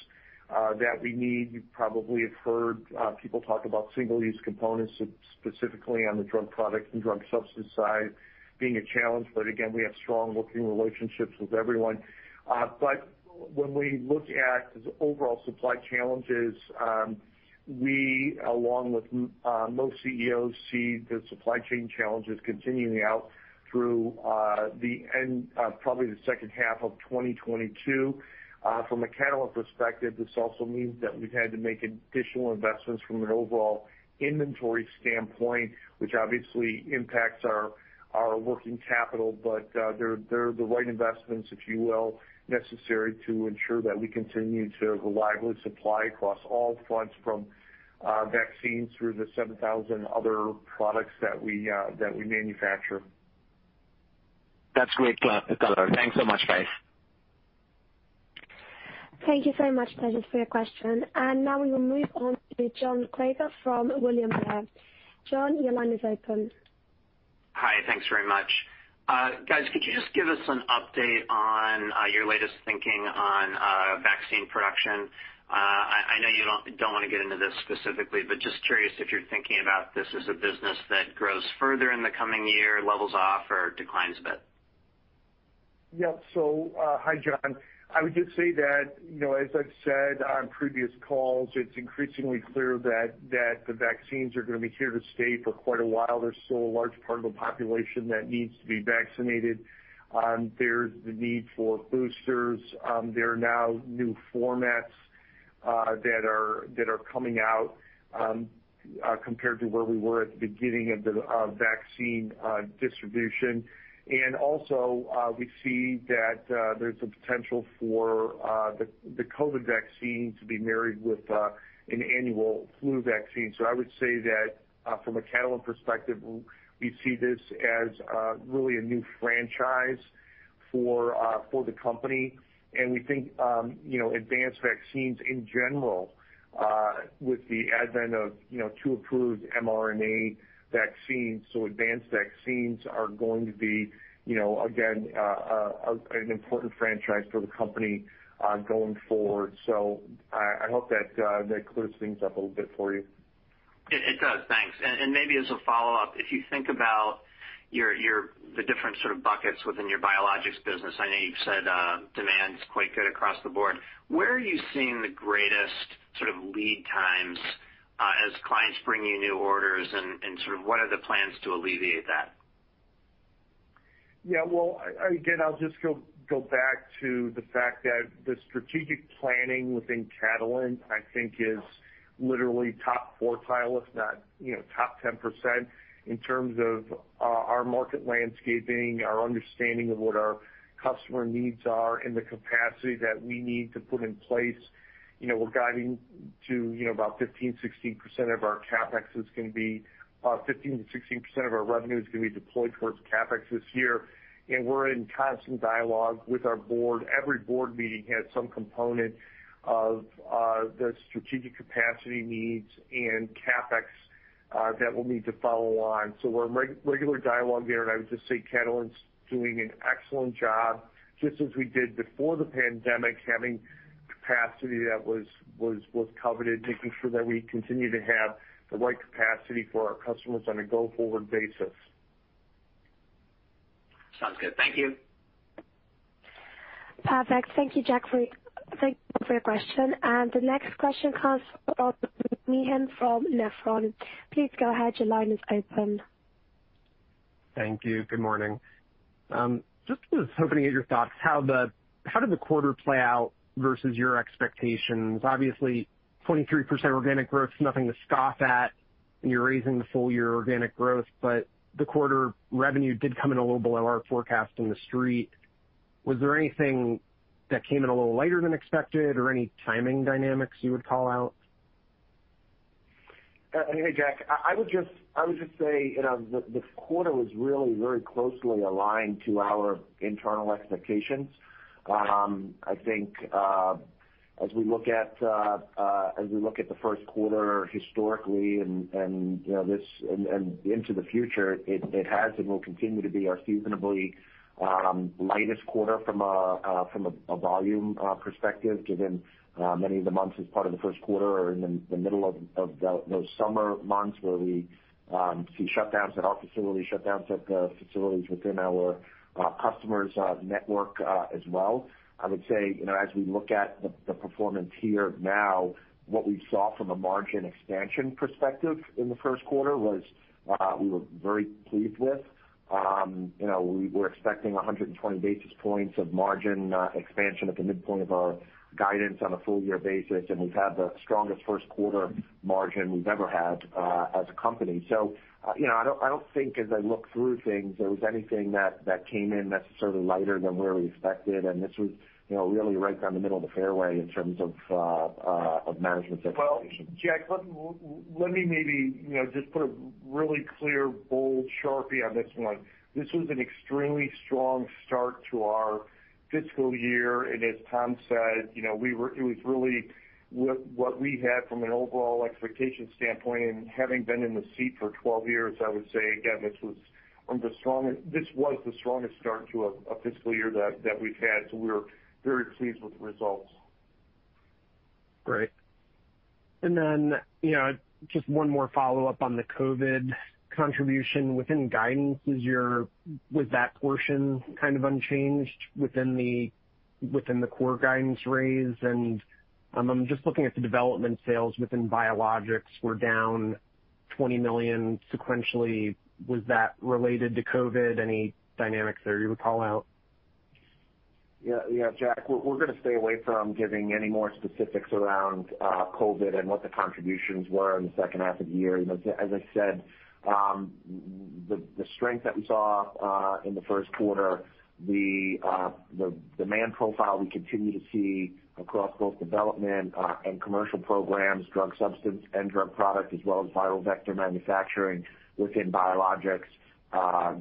Speaker 3: that we need. You probably have heard people talk about single-use components, specifically on the drug product and drug substance side being a challenge, but again, we have strong working relationships with everyone. When we look at the overall supply challenges, we, along with most CEOs, see the supply chain challenges continuing out through the end, probably the second half of 2022. From a Catalent perspective, this also means that we've had to make additional investments from an overall inventory standpoint, which obviously impacts our working capital. They're the right investments, if you will, necessary to ensure that we continue to reliably supply across all fronts from vaccines through the 7,000 other products that we manufacture.
Speaker 8: That's great color. Thanks so much, guys.
Speaker 1: Thank you very much, Tejas, for your question. Now we will move on to John Kreger from William Blair. John, your line is open.
Speaker 9: Hi. Thanks very much. Guys, could you just give us an update on your latest thinking on vaccine production? I know you don't wanna get into this specifically, but just curious if you're thinking about this as a business that grows further in the coming year, levels off or declines a bit.
Speaker 3: Yeah. Hi, John. I would just say that, you know, as I've said on previous calls, it's increasingly clear that the vaccines are gonna be here to stay for quite a while. There's still a large part of the population that needs to be vaccinated. There's the need for boosters. There are now new formats that are coming out compared to where we were at the beginning of the vaccine distribution. Also, we see that there's a potential for the COVID vaccine to be married with an annual flu vaccine. I would say that from a Catalent perspective, we see this as really a new franchise for the company. We think, you know, advanced vaccines in general, with the advent of, you know, two approved mRNA vaccines. Advanced vaccines are going to be, you know, again, an important franchise for the company, going forward. I hope that clears things up a little bit for you.
Speaker 9: It does. Thanks. Maybe as a follow-up, if you think about the different sort of buckets within your biologics business, I know you've said demand's quite good across the board. Where are you seeing the greatest sort of lead times, as clients bring you new orders and sort of what are the plans to alleviate that?
Speaker 3: Yeah. Well, I again, I'll just go back to the fact that the strategic planning within Catalent, I think is literally top quartile, if not, you know, top 10% in terms of our market landscaping, our understanding of what our customer needs are and the capacity that we need to put in place. You know, we're guiding to, you know, 15% to 16% of our revenue is gonna be deployed towards CapEx this year. We're in constant dialogue with our board. Every board meeting has some component of the strategic capacity needs and CapEx that we'll need to follow on. We're in regular dialogue there, and I would just say Catalent's doing an excellent job, just as we did before the pandemic, having capacity that was coveted, making sure that we continue to have the right capacity for our customers on a go-forward basis.
Speaker 9: Sounds good. Thank you.
Speaker 1: Perfect. Thank you, John, for your question. The next question comes from Meehan from Nephron. Please go ahead. Your line is open.
Speaker 10: Thank you. Good morning. Just was hoping to get your thoughts how did the quarter play out versus your expectations? Obviously, 23% organic growth is nothing to scoff at, and you're raising the full year organic growth. The quarter revenue did come in a little below our forecast in the Street. Was there anything that came in a little lighter than expected or any timing dynamics you would call out?
Speaker 4: Hey, Jack. I would just say, you know, the quarter was really very closely aligned to our internal expectations. I think, as we look at the first quarter historically and, you know, this and into the future, it has and will continue to be our seasonally lightest quarter from a volume perspective, given many of the months as part of the first quarter are in the middle of those summer months where we see shutdowns at our facility, shutdowns at the facilities within our customers' network, as well. I would say, you know, as we look at the performance here now, what we saw from a margin expansion perspective in the first quarter was we were very pleased with. You know, we were expecting 120 basis points of margin expansion at the midpoint of our guidance on a full year basis, and we've had the strongest first quarter margin we've ever had as a company. You know, I don't think as I look through things there was anything that came in necessarily lighter than where we expected. This was, you know, really right down the middle of the fairway in terms of management's expectations.
Speaker 3: Well, Jack, let me maybe, you know, just put a really clear bold Sharpie on this one. This was an extremely strong start to our fiscal year, and as Tom said, you know, it was really what we had from an overall expectation standpoint. Having been in the seat for 12 years, I would say again, this was the strongest start to a fiscal year that we've had, so we're very pleased with the results.
Speaker 10: Great. You know, just one more follow-up on the COVID contribution. Within guidance, is your was that portion kind of unchanged within the core guidance raise? I'm just looking at the development sales within biologics were down $20 million sequentially. Was that related to COVID? Any dynamics there you would call out?
Speaker 4: Yeah, Jack, we're gonna stay away from giving any more specifics around COVID and what the contributions were in the second half of the year. You know, as I said, the strength that we saw in the first quarter, the demand profile we continue to see across both development and commercial programs, drug substance and drug product, as well as viral vector manufacturing within biologics,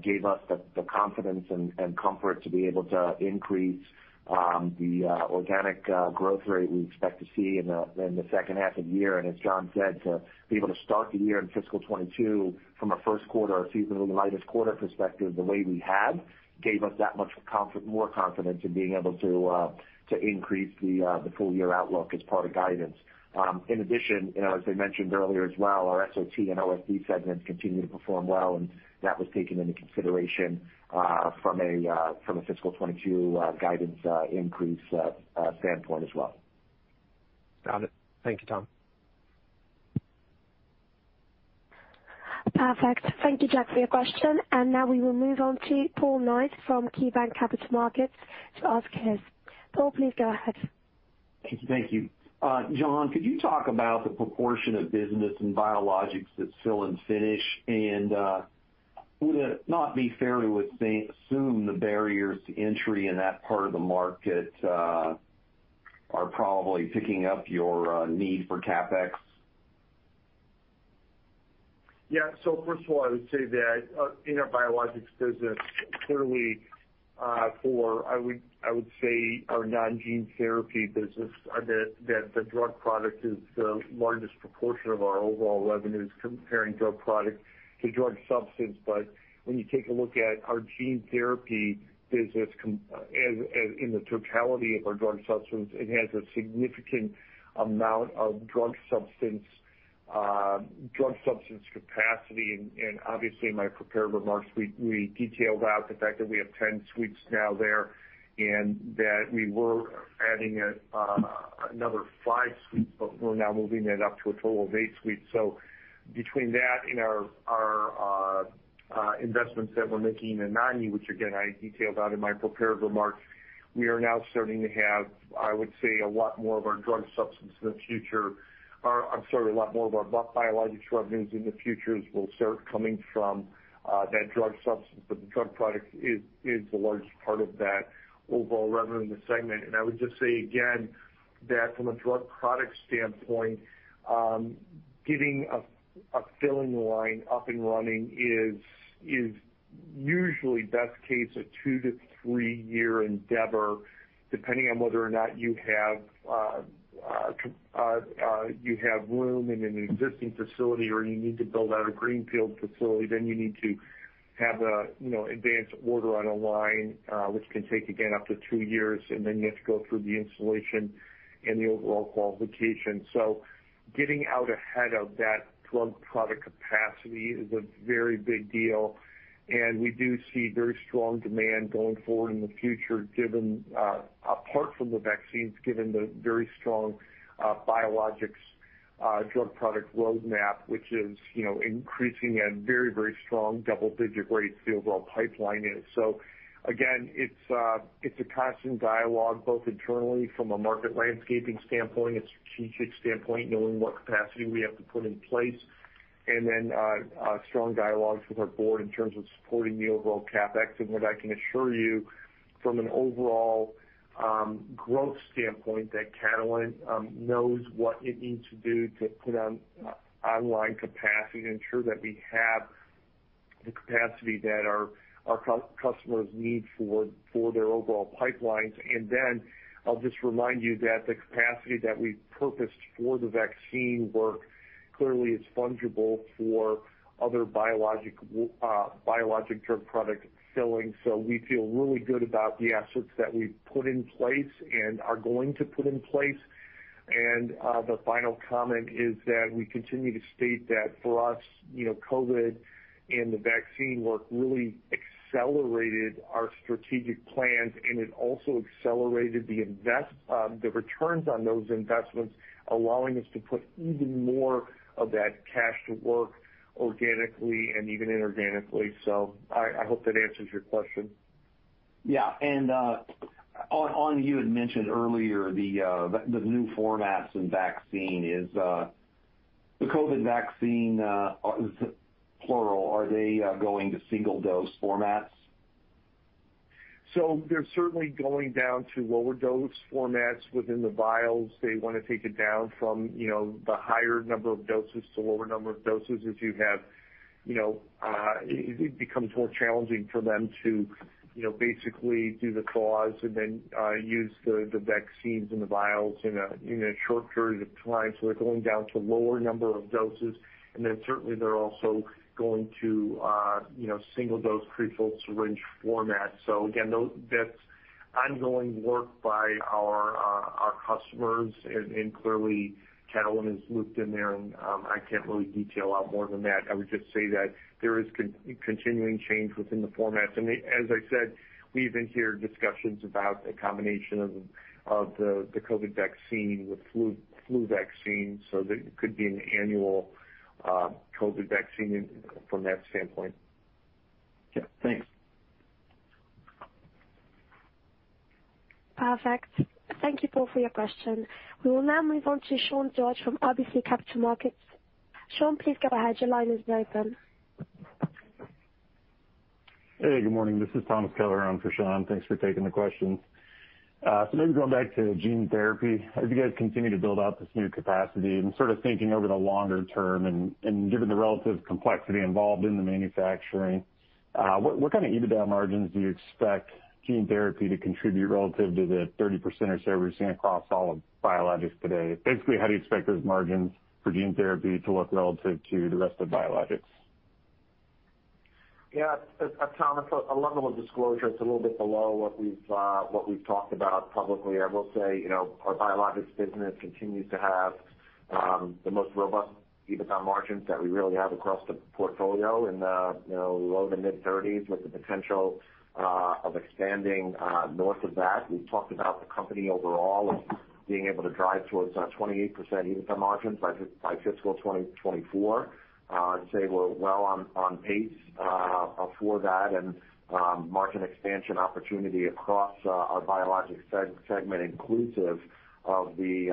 Speaker 4: gave us the confidence and comfort to be able to increase the organic growth rate we expect to see in the second half of the year. As John said, to be able to start the year in fiscal 2022 from a first quarter or seasonally lightest quarter perspective the way we have gave us that much more confidence in being able to increase the full year outlook as part of guidance. In addition, you know, as I mentioned earlier as well, our SOT and OSD segments continue to perform well, and that was taken into consideration from a fiscal 2022 guidance standpoint as well.
Speaker 10: Got it. Thank you, Tom.
Speaker 1: Perfect. Thank you, Jack, for your question. Now we will move on to Paul Knight from KeyBanc Capital Markets to ask his. Paul, please go ahead.
Speaker 11: Thank you. John, could you talk about the proportion of business and biologics that fill and finish? Would it not be fair to assume the barriers to entry in that part of the market are probably picking up your need for CapEx?
Speaker 3: Yeah. First of all, I would say that in our biologics business, clearly, for I would say our non-gene therapy business, that the drug product is the largest proportion of our overall revenues comparing drug product to drug substance. When you take a look at our gene therapy business as in the totality of our drug substance, it has a significant amount of drug substance capacity. Obviously in my prepared remarks, we detailed out the fact that we have 10 suites now there and that we were adding another five suites, but we're now moving that up to a total of eight suites. Between that and our investments that we're making in Anagni, which again, I detailed out in my prepared remarks, we are now starting to have, I would say, a lot more of our biologics revenues in the future as will start coming from that drug substance. The drug product is the largest part of that overall revenue in the segment. I would just say again that from a drug product standpoint, getting a filling line up and running is usually best case a two-three-year endeavor, depending on whether or not you have room in an existing facility or you need to build out a greenfield facility. Then you need to have, you know, an advanced order on a line, which can take again up to two years, and then you have to go through the installation and the overall qualification. Getting out ahead of that drug product capacity is a very big deal, and we do see very strong demand going forward in the future, given the very strong biologics drug product roadmap, which is, you know, increasing at very, very strong double-digit rates. The overall pipeline is. Again, it's a constant dialogue both internally from a market landscape standpoint, a strategic standpoint, knowing what capacity we have to put in place, and then a strong dialogue with our board in terms of supporting the overall CapEx. What I can assure you from an overall growth standpoint that Catalent knows what it needs to do to put online capacity and ensure that we have the capacity that our customers need for their overall pipelines. Then I'll just remind you that the capacity that we purposed for the vaccine work clearly is fungible for other biologic drug product filling. We feel really good about the assets that we've put in place and are going to put in place. The final comment is that we continue to state that for us, you know, COVID and the vaccine work really accelerated our strategic plans, and it also accelerated the returns on those investments, allowing us to put even more of that cash to work organically and even inorganically. I hope that answers your question.
Speaker 11: Yeah. You had mentioned earlier the new formats in vaccines. Are the COVID vaccines going to single dose formats?
Speaker 3: They're certainly going down to lower dose formats within the vials. They wanna take it down from, you know, the higher number of doses to lower number of doses as you have, you know, it becomes more challenging for them to, you know, basically do the thaws and then use the vaccines and the vials in a short period of time. They're going down to lower number of doses. Then certainly they're also going to single dose prefilled syringe format. Again, that's ongoing work by our customers and clearly Catalent is looped in there and I can't really detail out more than that. I would just say that there is continuing change within the formats. as I said, we even hear discussions about a combination of the COVID vaccine with flu vaccine, so that it could be an annual COVID vaccine from that standpoint.
Speaker 11: Yeah. Thanks.
Speaker 1: Perfect. Thank you, Paul, for your question. We will now move on to Sean Dodge from RBC Capital Markets. Sean, please go ahead. Your line is open.
Speaker 12: Hey, good morning. This is Thomas Kelliher on for Sean. Thanks for taking the questions. Maybe going back to gene therapy. As you guys continue to build out this new capacity and sort of thinking over the longer term and given the relative complexity involved in the manufacturing, what kind of EBITDA margins do you expect gene therapy to contribute relative to the 30% or so we're seeing across all of biologics today? Basically, how do you expect those margins for gene therapy to look relative to the rest of biologics?
Speaker 4: Yeah. Tom, a level of disclosure, it's a little bit below what we've talked about publicly. I will say, you know, our biologics business continues to have the most robust EBITDA margins that we really have across the portfolio in the, you know, low- to mid-30s% with the potential of expanding north of that. We've talked about the company overall of being able to drive towards 28% EBITDA margins by fiscal 2024. I'd say we're well on pace for that and margin expansion opportunity across our biologics segment, inclusive of the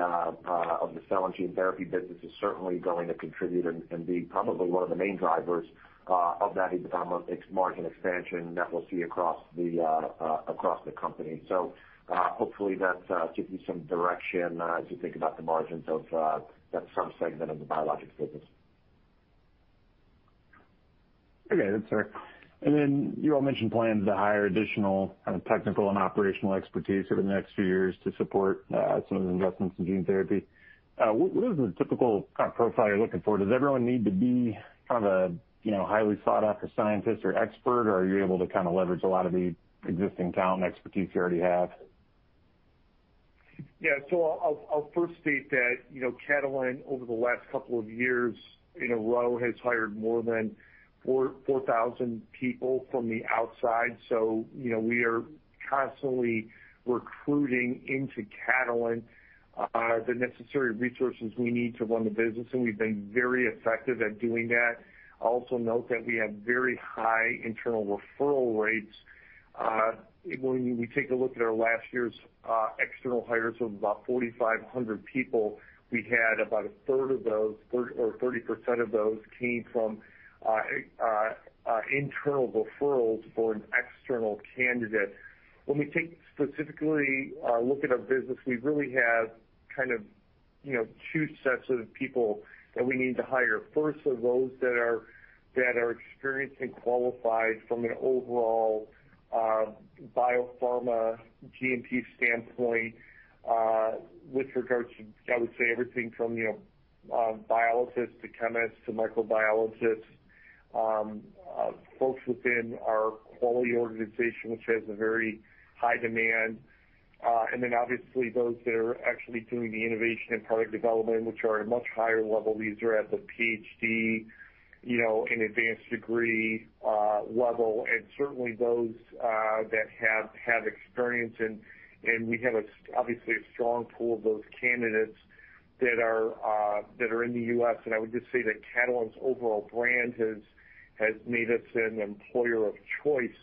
Speaker 4: cell and gene therapy business is certainly going to contribute and be probably one of the main drivers of that EBITDA margin expansion that we'll see across the company. Hopefully that gives you some direction as you think about the margins of that sub segment of the biologics business.
Speaker 12: Okay. That's fair. You all mentioned plans to hire additional kind of technical and operational expertise over the next few years to support some of the investments in gene therapy. What is the typical kind of profile you're looking for? Does everyone need to be kind of a, you know, highly sought after scientist or expert, or are you able to kind of leverage a lot of the existing talent and expertise you already have?
Speaker 3: Yeah. I'll first state that, you know, Catalent over the last couple of years in a row has hired more than 4,000 people from the outside. You know, we are constantly recruiting into Catalent the necessary resources we need to run the business, and we've been very effective at doing that. I'll also note that we have very high internal referral rates. When we take a look at our last year's external hires of about 4,500 people, we had about a third of those, or 30% of those came from internal referrals for an external candidate. When we take specifically a look at our business, we really have kind of, you know, two sets of people that we need to hire. First are those that are experienced and qualified from an overall biopharma GMP standpoint, with regards to, I would say, everything from, you know, biologists to chemists to microbiologists, folks within our quality organization, which has a very high demand. Obviously those that are actually doing the innovation and product development, which are at a much higher level. These are at the PhD, you know, and advanced degree level. Certainly those that have had experience, and we have obviously a strong pool of those candidates that are in the U.S. I would just say that Catalent's overall brand has made us an employer of choice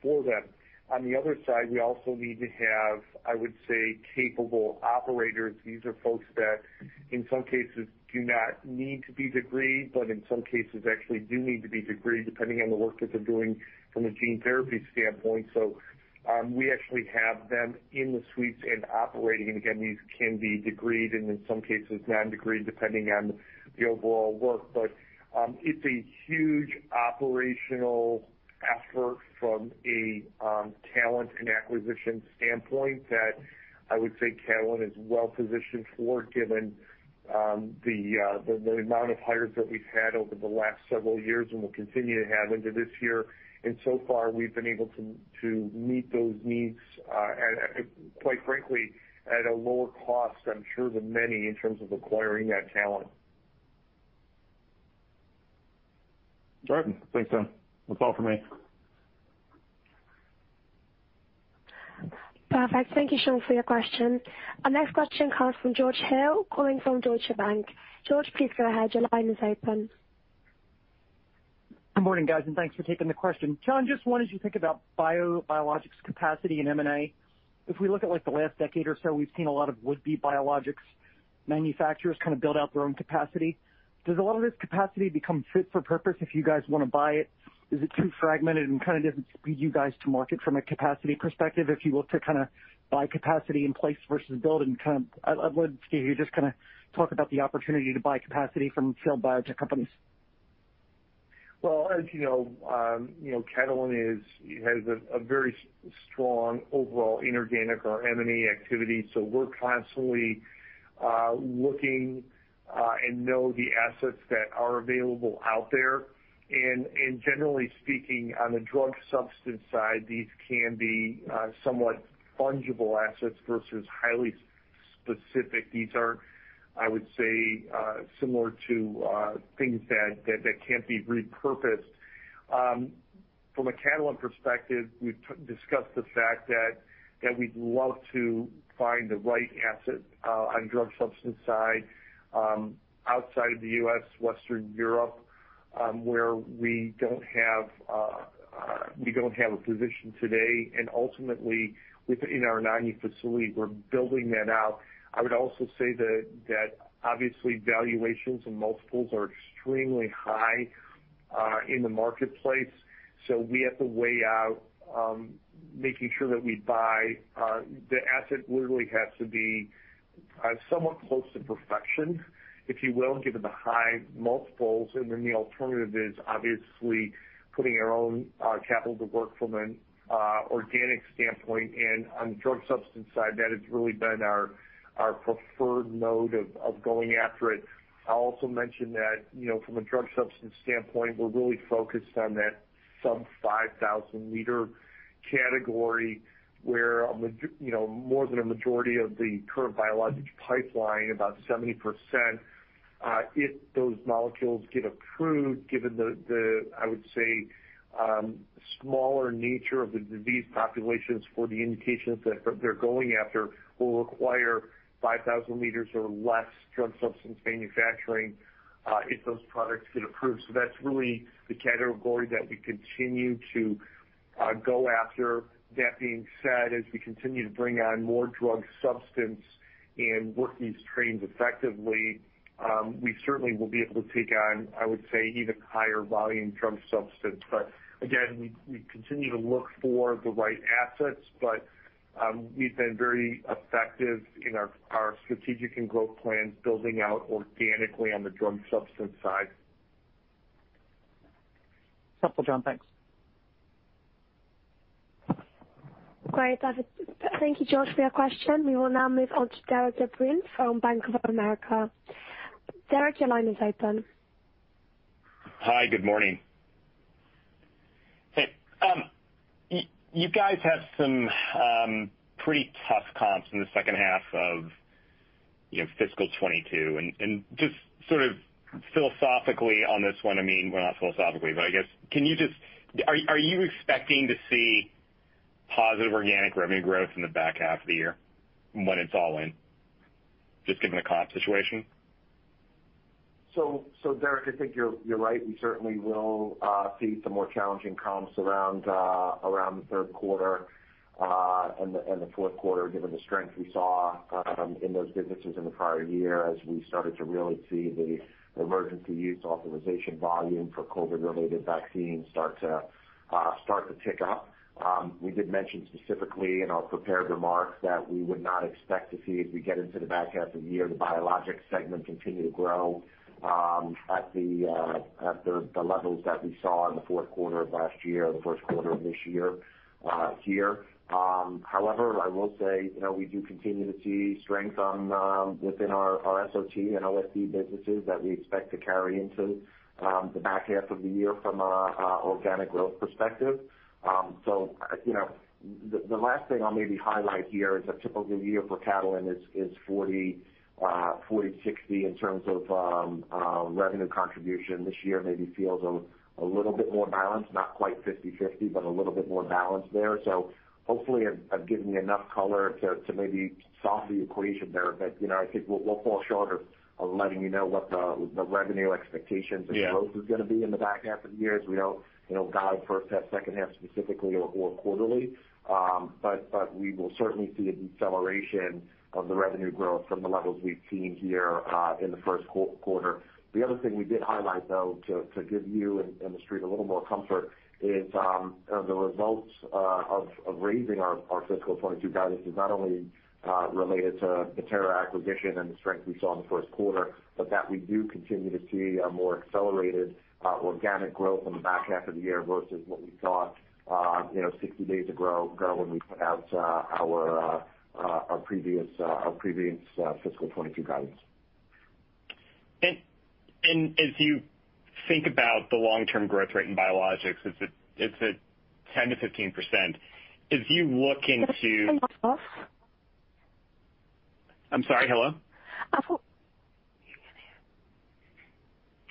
Speaker 3: for them. On the other side, we also need to have, I would say, capable operators. These are folks that in some cases do not need to be degreed, but in some cases actually do need to be degreed, depending on the work that they're doing from a gene therapy standpoint. We actually have them in the suites and operating. Again, these can be degreed and in some cases non-degreed, depending on the overall work. It's a huge operational effort from a talent and acquisition standpoint that I would say Catalent is well positioned for, given the amount of hires that we've had over the last several years and will continue to have into this year. So far we've been able to meet those needs at quite frankly at a lower cost, I'm sure, than many in terms of acquiring that talent.
Speaker 12: All right. Thanks, John. That's all for me.
Speaker 1: Perfect. Thank you, Sean, for your question. Our next question comes from George Hill calling from Deutsche Bank. George, please go ahead. Your line is open.
Speaker 13: Good morning, guys, and thanks for taking the question. John, just wanted you to think about biologics capacity in M&A. If we look at, like, the last decade or so, we've seen a lot of would-be biologics manufacturers kind of build out their own capacity. Does a lot of this capacity become fit for purpose if you guys wanna buy it? Is it too fragmented and kind of doesn't speed you guys to market from a capacity perspective, if you will, to kind of buy capacity in place versus build and kind of I would see you just kind of talk about the opportunity to buy capacity from failed biotech companies.
Speaker 3: Well, as you know, you know, Catalent has a very strong overall inorganic or M&A activity. We're constantly looking and know the assets that are available out there. Generally speaking, on the drug substance side, these can be somewhat fungible assets versus highly specific. These are, I would say, similar to things that can't be repurposed. From a Catalent perspective, we've discussed the fact that we'd love to find the right asset on drug substance side outside of the U.S., Western Europe, where we don't have a position today, and ultimately within our facility, we're building that out. I would also say that obviously valuations and multiples are extremely high in the marketplace, so we have to weigh out making sure that we buy the asset literally has to be somewhat close to perfection, if you will, given the high multiples, and then the alternative is obviously putting our own capital to work from an organic standpoint. On the drug substance side, that has really been our preferred mode of going after it. I'll also mention that, you know, from a drug substance standpoint, we're really focused on that sub 5,000 liter category where you know, more than a majority of the current biologics pipeline, about 70%, if those molecules get approved, given the I would say smaller nature of the disease populations for the indications that they're going after will require 5,000 liters or less drug substance manufacturing, if those products get approved. That's really the category that we continue to go after. That being said, as we continue to bring on more drug substance and work these trains effectively, we certainly will be able to take on, I would say, even higher volume drug substance. Again, we continue to look for the right assets, but we've been very effective in our strategic and growth plans building out organically on the drug substance side.
Speaker 13: Helpful, John. Thanks.
Speaker 1: Great. Thank you, George, for your question. We will now move on to Derik De Bruin from Bank of America. Derik, your line is open.
Speaker 14: Hi. Good morning. Hey, you guys have some pretty tough comps in the second half of, you know, fiscal 2022. Just sort of philosophically on this one, I mean, well, not philosophically, but I guess, are you expecting to see positive organic revenue growth in the back half of the year when it's all in, just given the comp situation?
Speaker 4: Derik, I think you're right. We certainly will see some more challenging comps around the third quarter and the fourth quarter, given the strength we saw in those businesses in the prior year as we started to really see the Emergency Use Authorization volume for COVID-related vaccines start to tick up. We did mention specifically in our prepared remarks that we would not expect to see as we get into the back half of the year, the Biologics segment continue to grow at the levels that we saw in the fourth quarter of last year or the first quarter of this year. However, I will say, you know, we do continue to see strength within our SOT and OSD businesses that we expect to carry into the back half of the year from an organic growth perspective. So, you know, the last thing I'll maybe highlight here is a typical year for Catalent is 40/60 in terms of revenue contribution. This year maybe feels a little bit more balanced, not quite 50/50, but a little bit more balanced there. So hopefully I've given you enough color to maybe solve the equation there that, you know, I think we'll fall short of letting you know what the revenue expectations
Speaker 14: Yeah.
Speaker 4: Growth is gonna be in the back half of the year, as we don't, you know, guide first half, second half specifically or quarterly. But we will certainly see a deceleration of the revenue growth from the levels we've seen here in the first quarter. The other thing we did highlight, though, to give you and The Street a little more comfort is, you know, the results of raising our fiscal 2022 guidance is not only related to the Bettera acquisition and the strength we saw in the first quarter, but that we do continue to see a more accelerated organic growth in the back half of the year versus what we saw, you know, 60 days ago, when we put out our previous fiscal 2022 guidance.
Speaker 14: As you think about the long-term growth rate in biologics, it's at 10%-15%. I'm sorry. Hello?
Speaker 1: I thought-
Speaker 4: Keep going, Derik.
Speaker 14: Yeah. It
Speaker 1: I'm sorry.
Speaker 14: Yeah,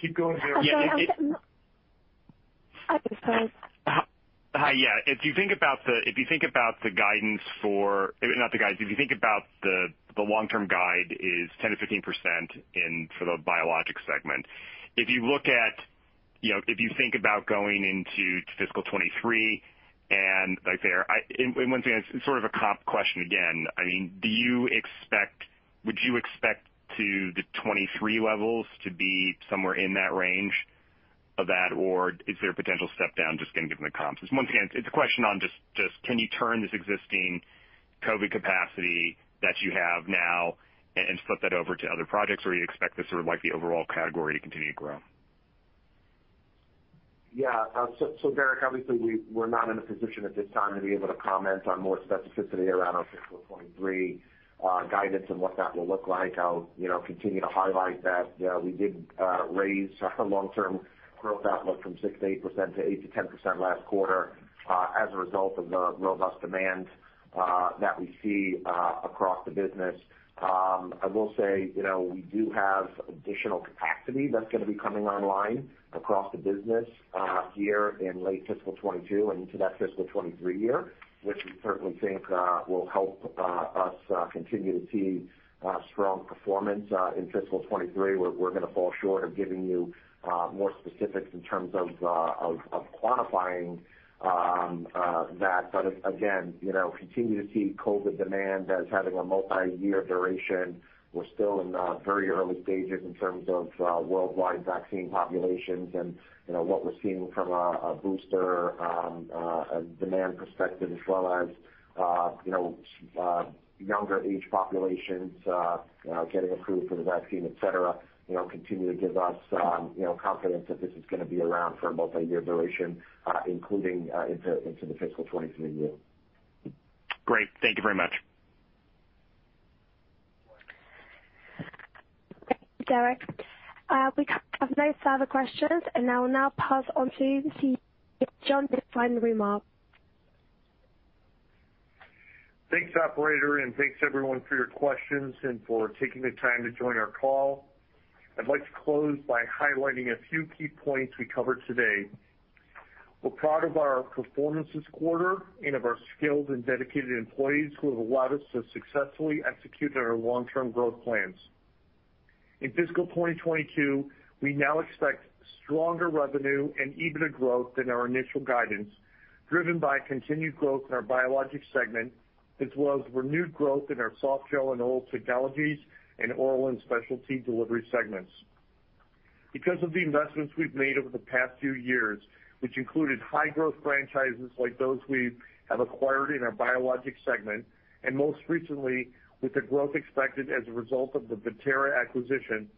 Speaker 14: if you think about the long-term guide is 10%-15% in for the biologics segment. If you look at, you know, if you think about going into fiscal 2023, and like I say, and one thing, it's sort of a comp question again. I mean, would you expect the 2023 levels to be somewhere in that range of that, or is there a potential step down just again, given the comps? Once again, it's a question on just can you turn this existing COVID capacity that you have now and flip that over to other projects, or you expect the sort of like the overall category to continue to grow?
Speaker 4: Yeah. Derek, obviously we're not in a position at this time to be able to comment on more specificity around our fiscal 2023 guidance and what that will look like. I'll, you know, continue to highlight that we did raise our long-term growth outlook from 6%-8% to 8%-10% last quarter. As a result of the robust demand that we see across the business. I will say, you know, we do have additional capacity that's gonna be coming online across the business here in late fiscal 2022 and into that fiscal 2023 year, which we certainly think will help us continue to see strong performance in fiscal 2023. We're gonna fall short of giving you more specifics in terms of of quantifying that. Again, you know, we continue to see COVID demand as having a multi-year duration. We're still in the very early stages in terms of worldwide vaccine populations and, you know, what we're seeing from a booster demand perspective, as well as younger age populations getting approved for the vaccine, et cetera, you know, continue to give us, you know, confidence that this is gonna be around for a multi-year duration, including into the fiscal 2023 year.
Speaker 14: Great. Thank you very much.
Speaker 1: Thank you, Derik. We have no further questions, and I will now pass on to John for his final remarks.
Speaker 3: Thanks, operator, and thanks everyone for your questions and for taking the time to join our call. I'd like to close by highlighting a few key points we covered today. We're proud of our performance this quarter and of our skilled and dedicated employees who have allowed us to successfully execute on our long-term growth plans. In fiscal 2022, we now expect stronger revenue and EBITDA growth than our initial guidance, driven by continued growth in our Biologics segment, as well as renewed growth in our Softgel and Oral Technologies and Oral and Specialty Delivery segments. Because of the investments we've made over the past few years, which included high-growth franchises like those we have acquired in our Biologics segment, and most recently with the growth expected as a result of the Bettera acquisition.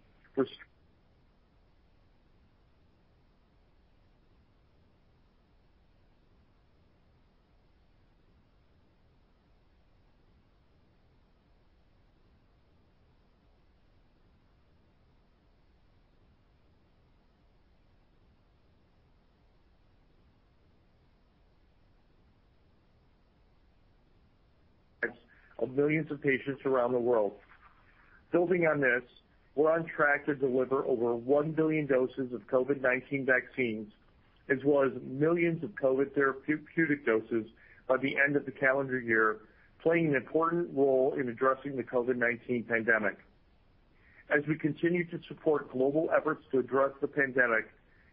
Speaker 3: Building on this, we're on track to deliver over 1 billion doses of COVID-19 vaccines, as well as millions of COVID therapeutic doses by the end of the calendar year, playing an important role in addressing the COVID-19 pandemic. As we continue to support global efforts to address the pandemic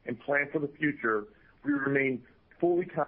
Speaker 3: and plan for the future, we remain fully con-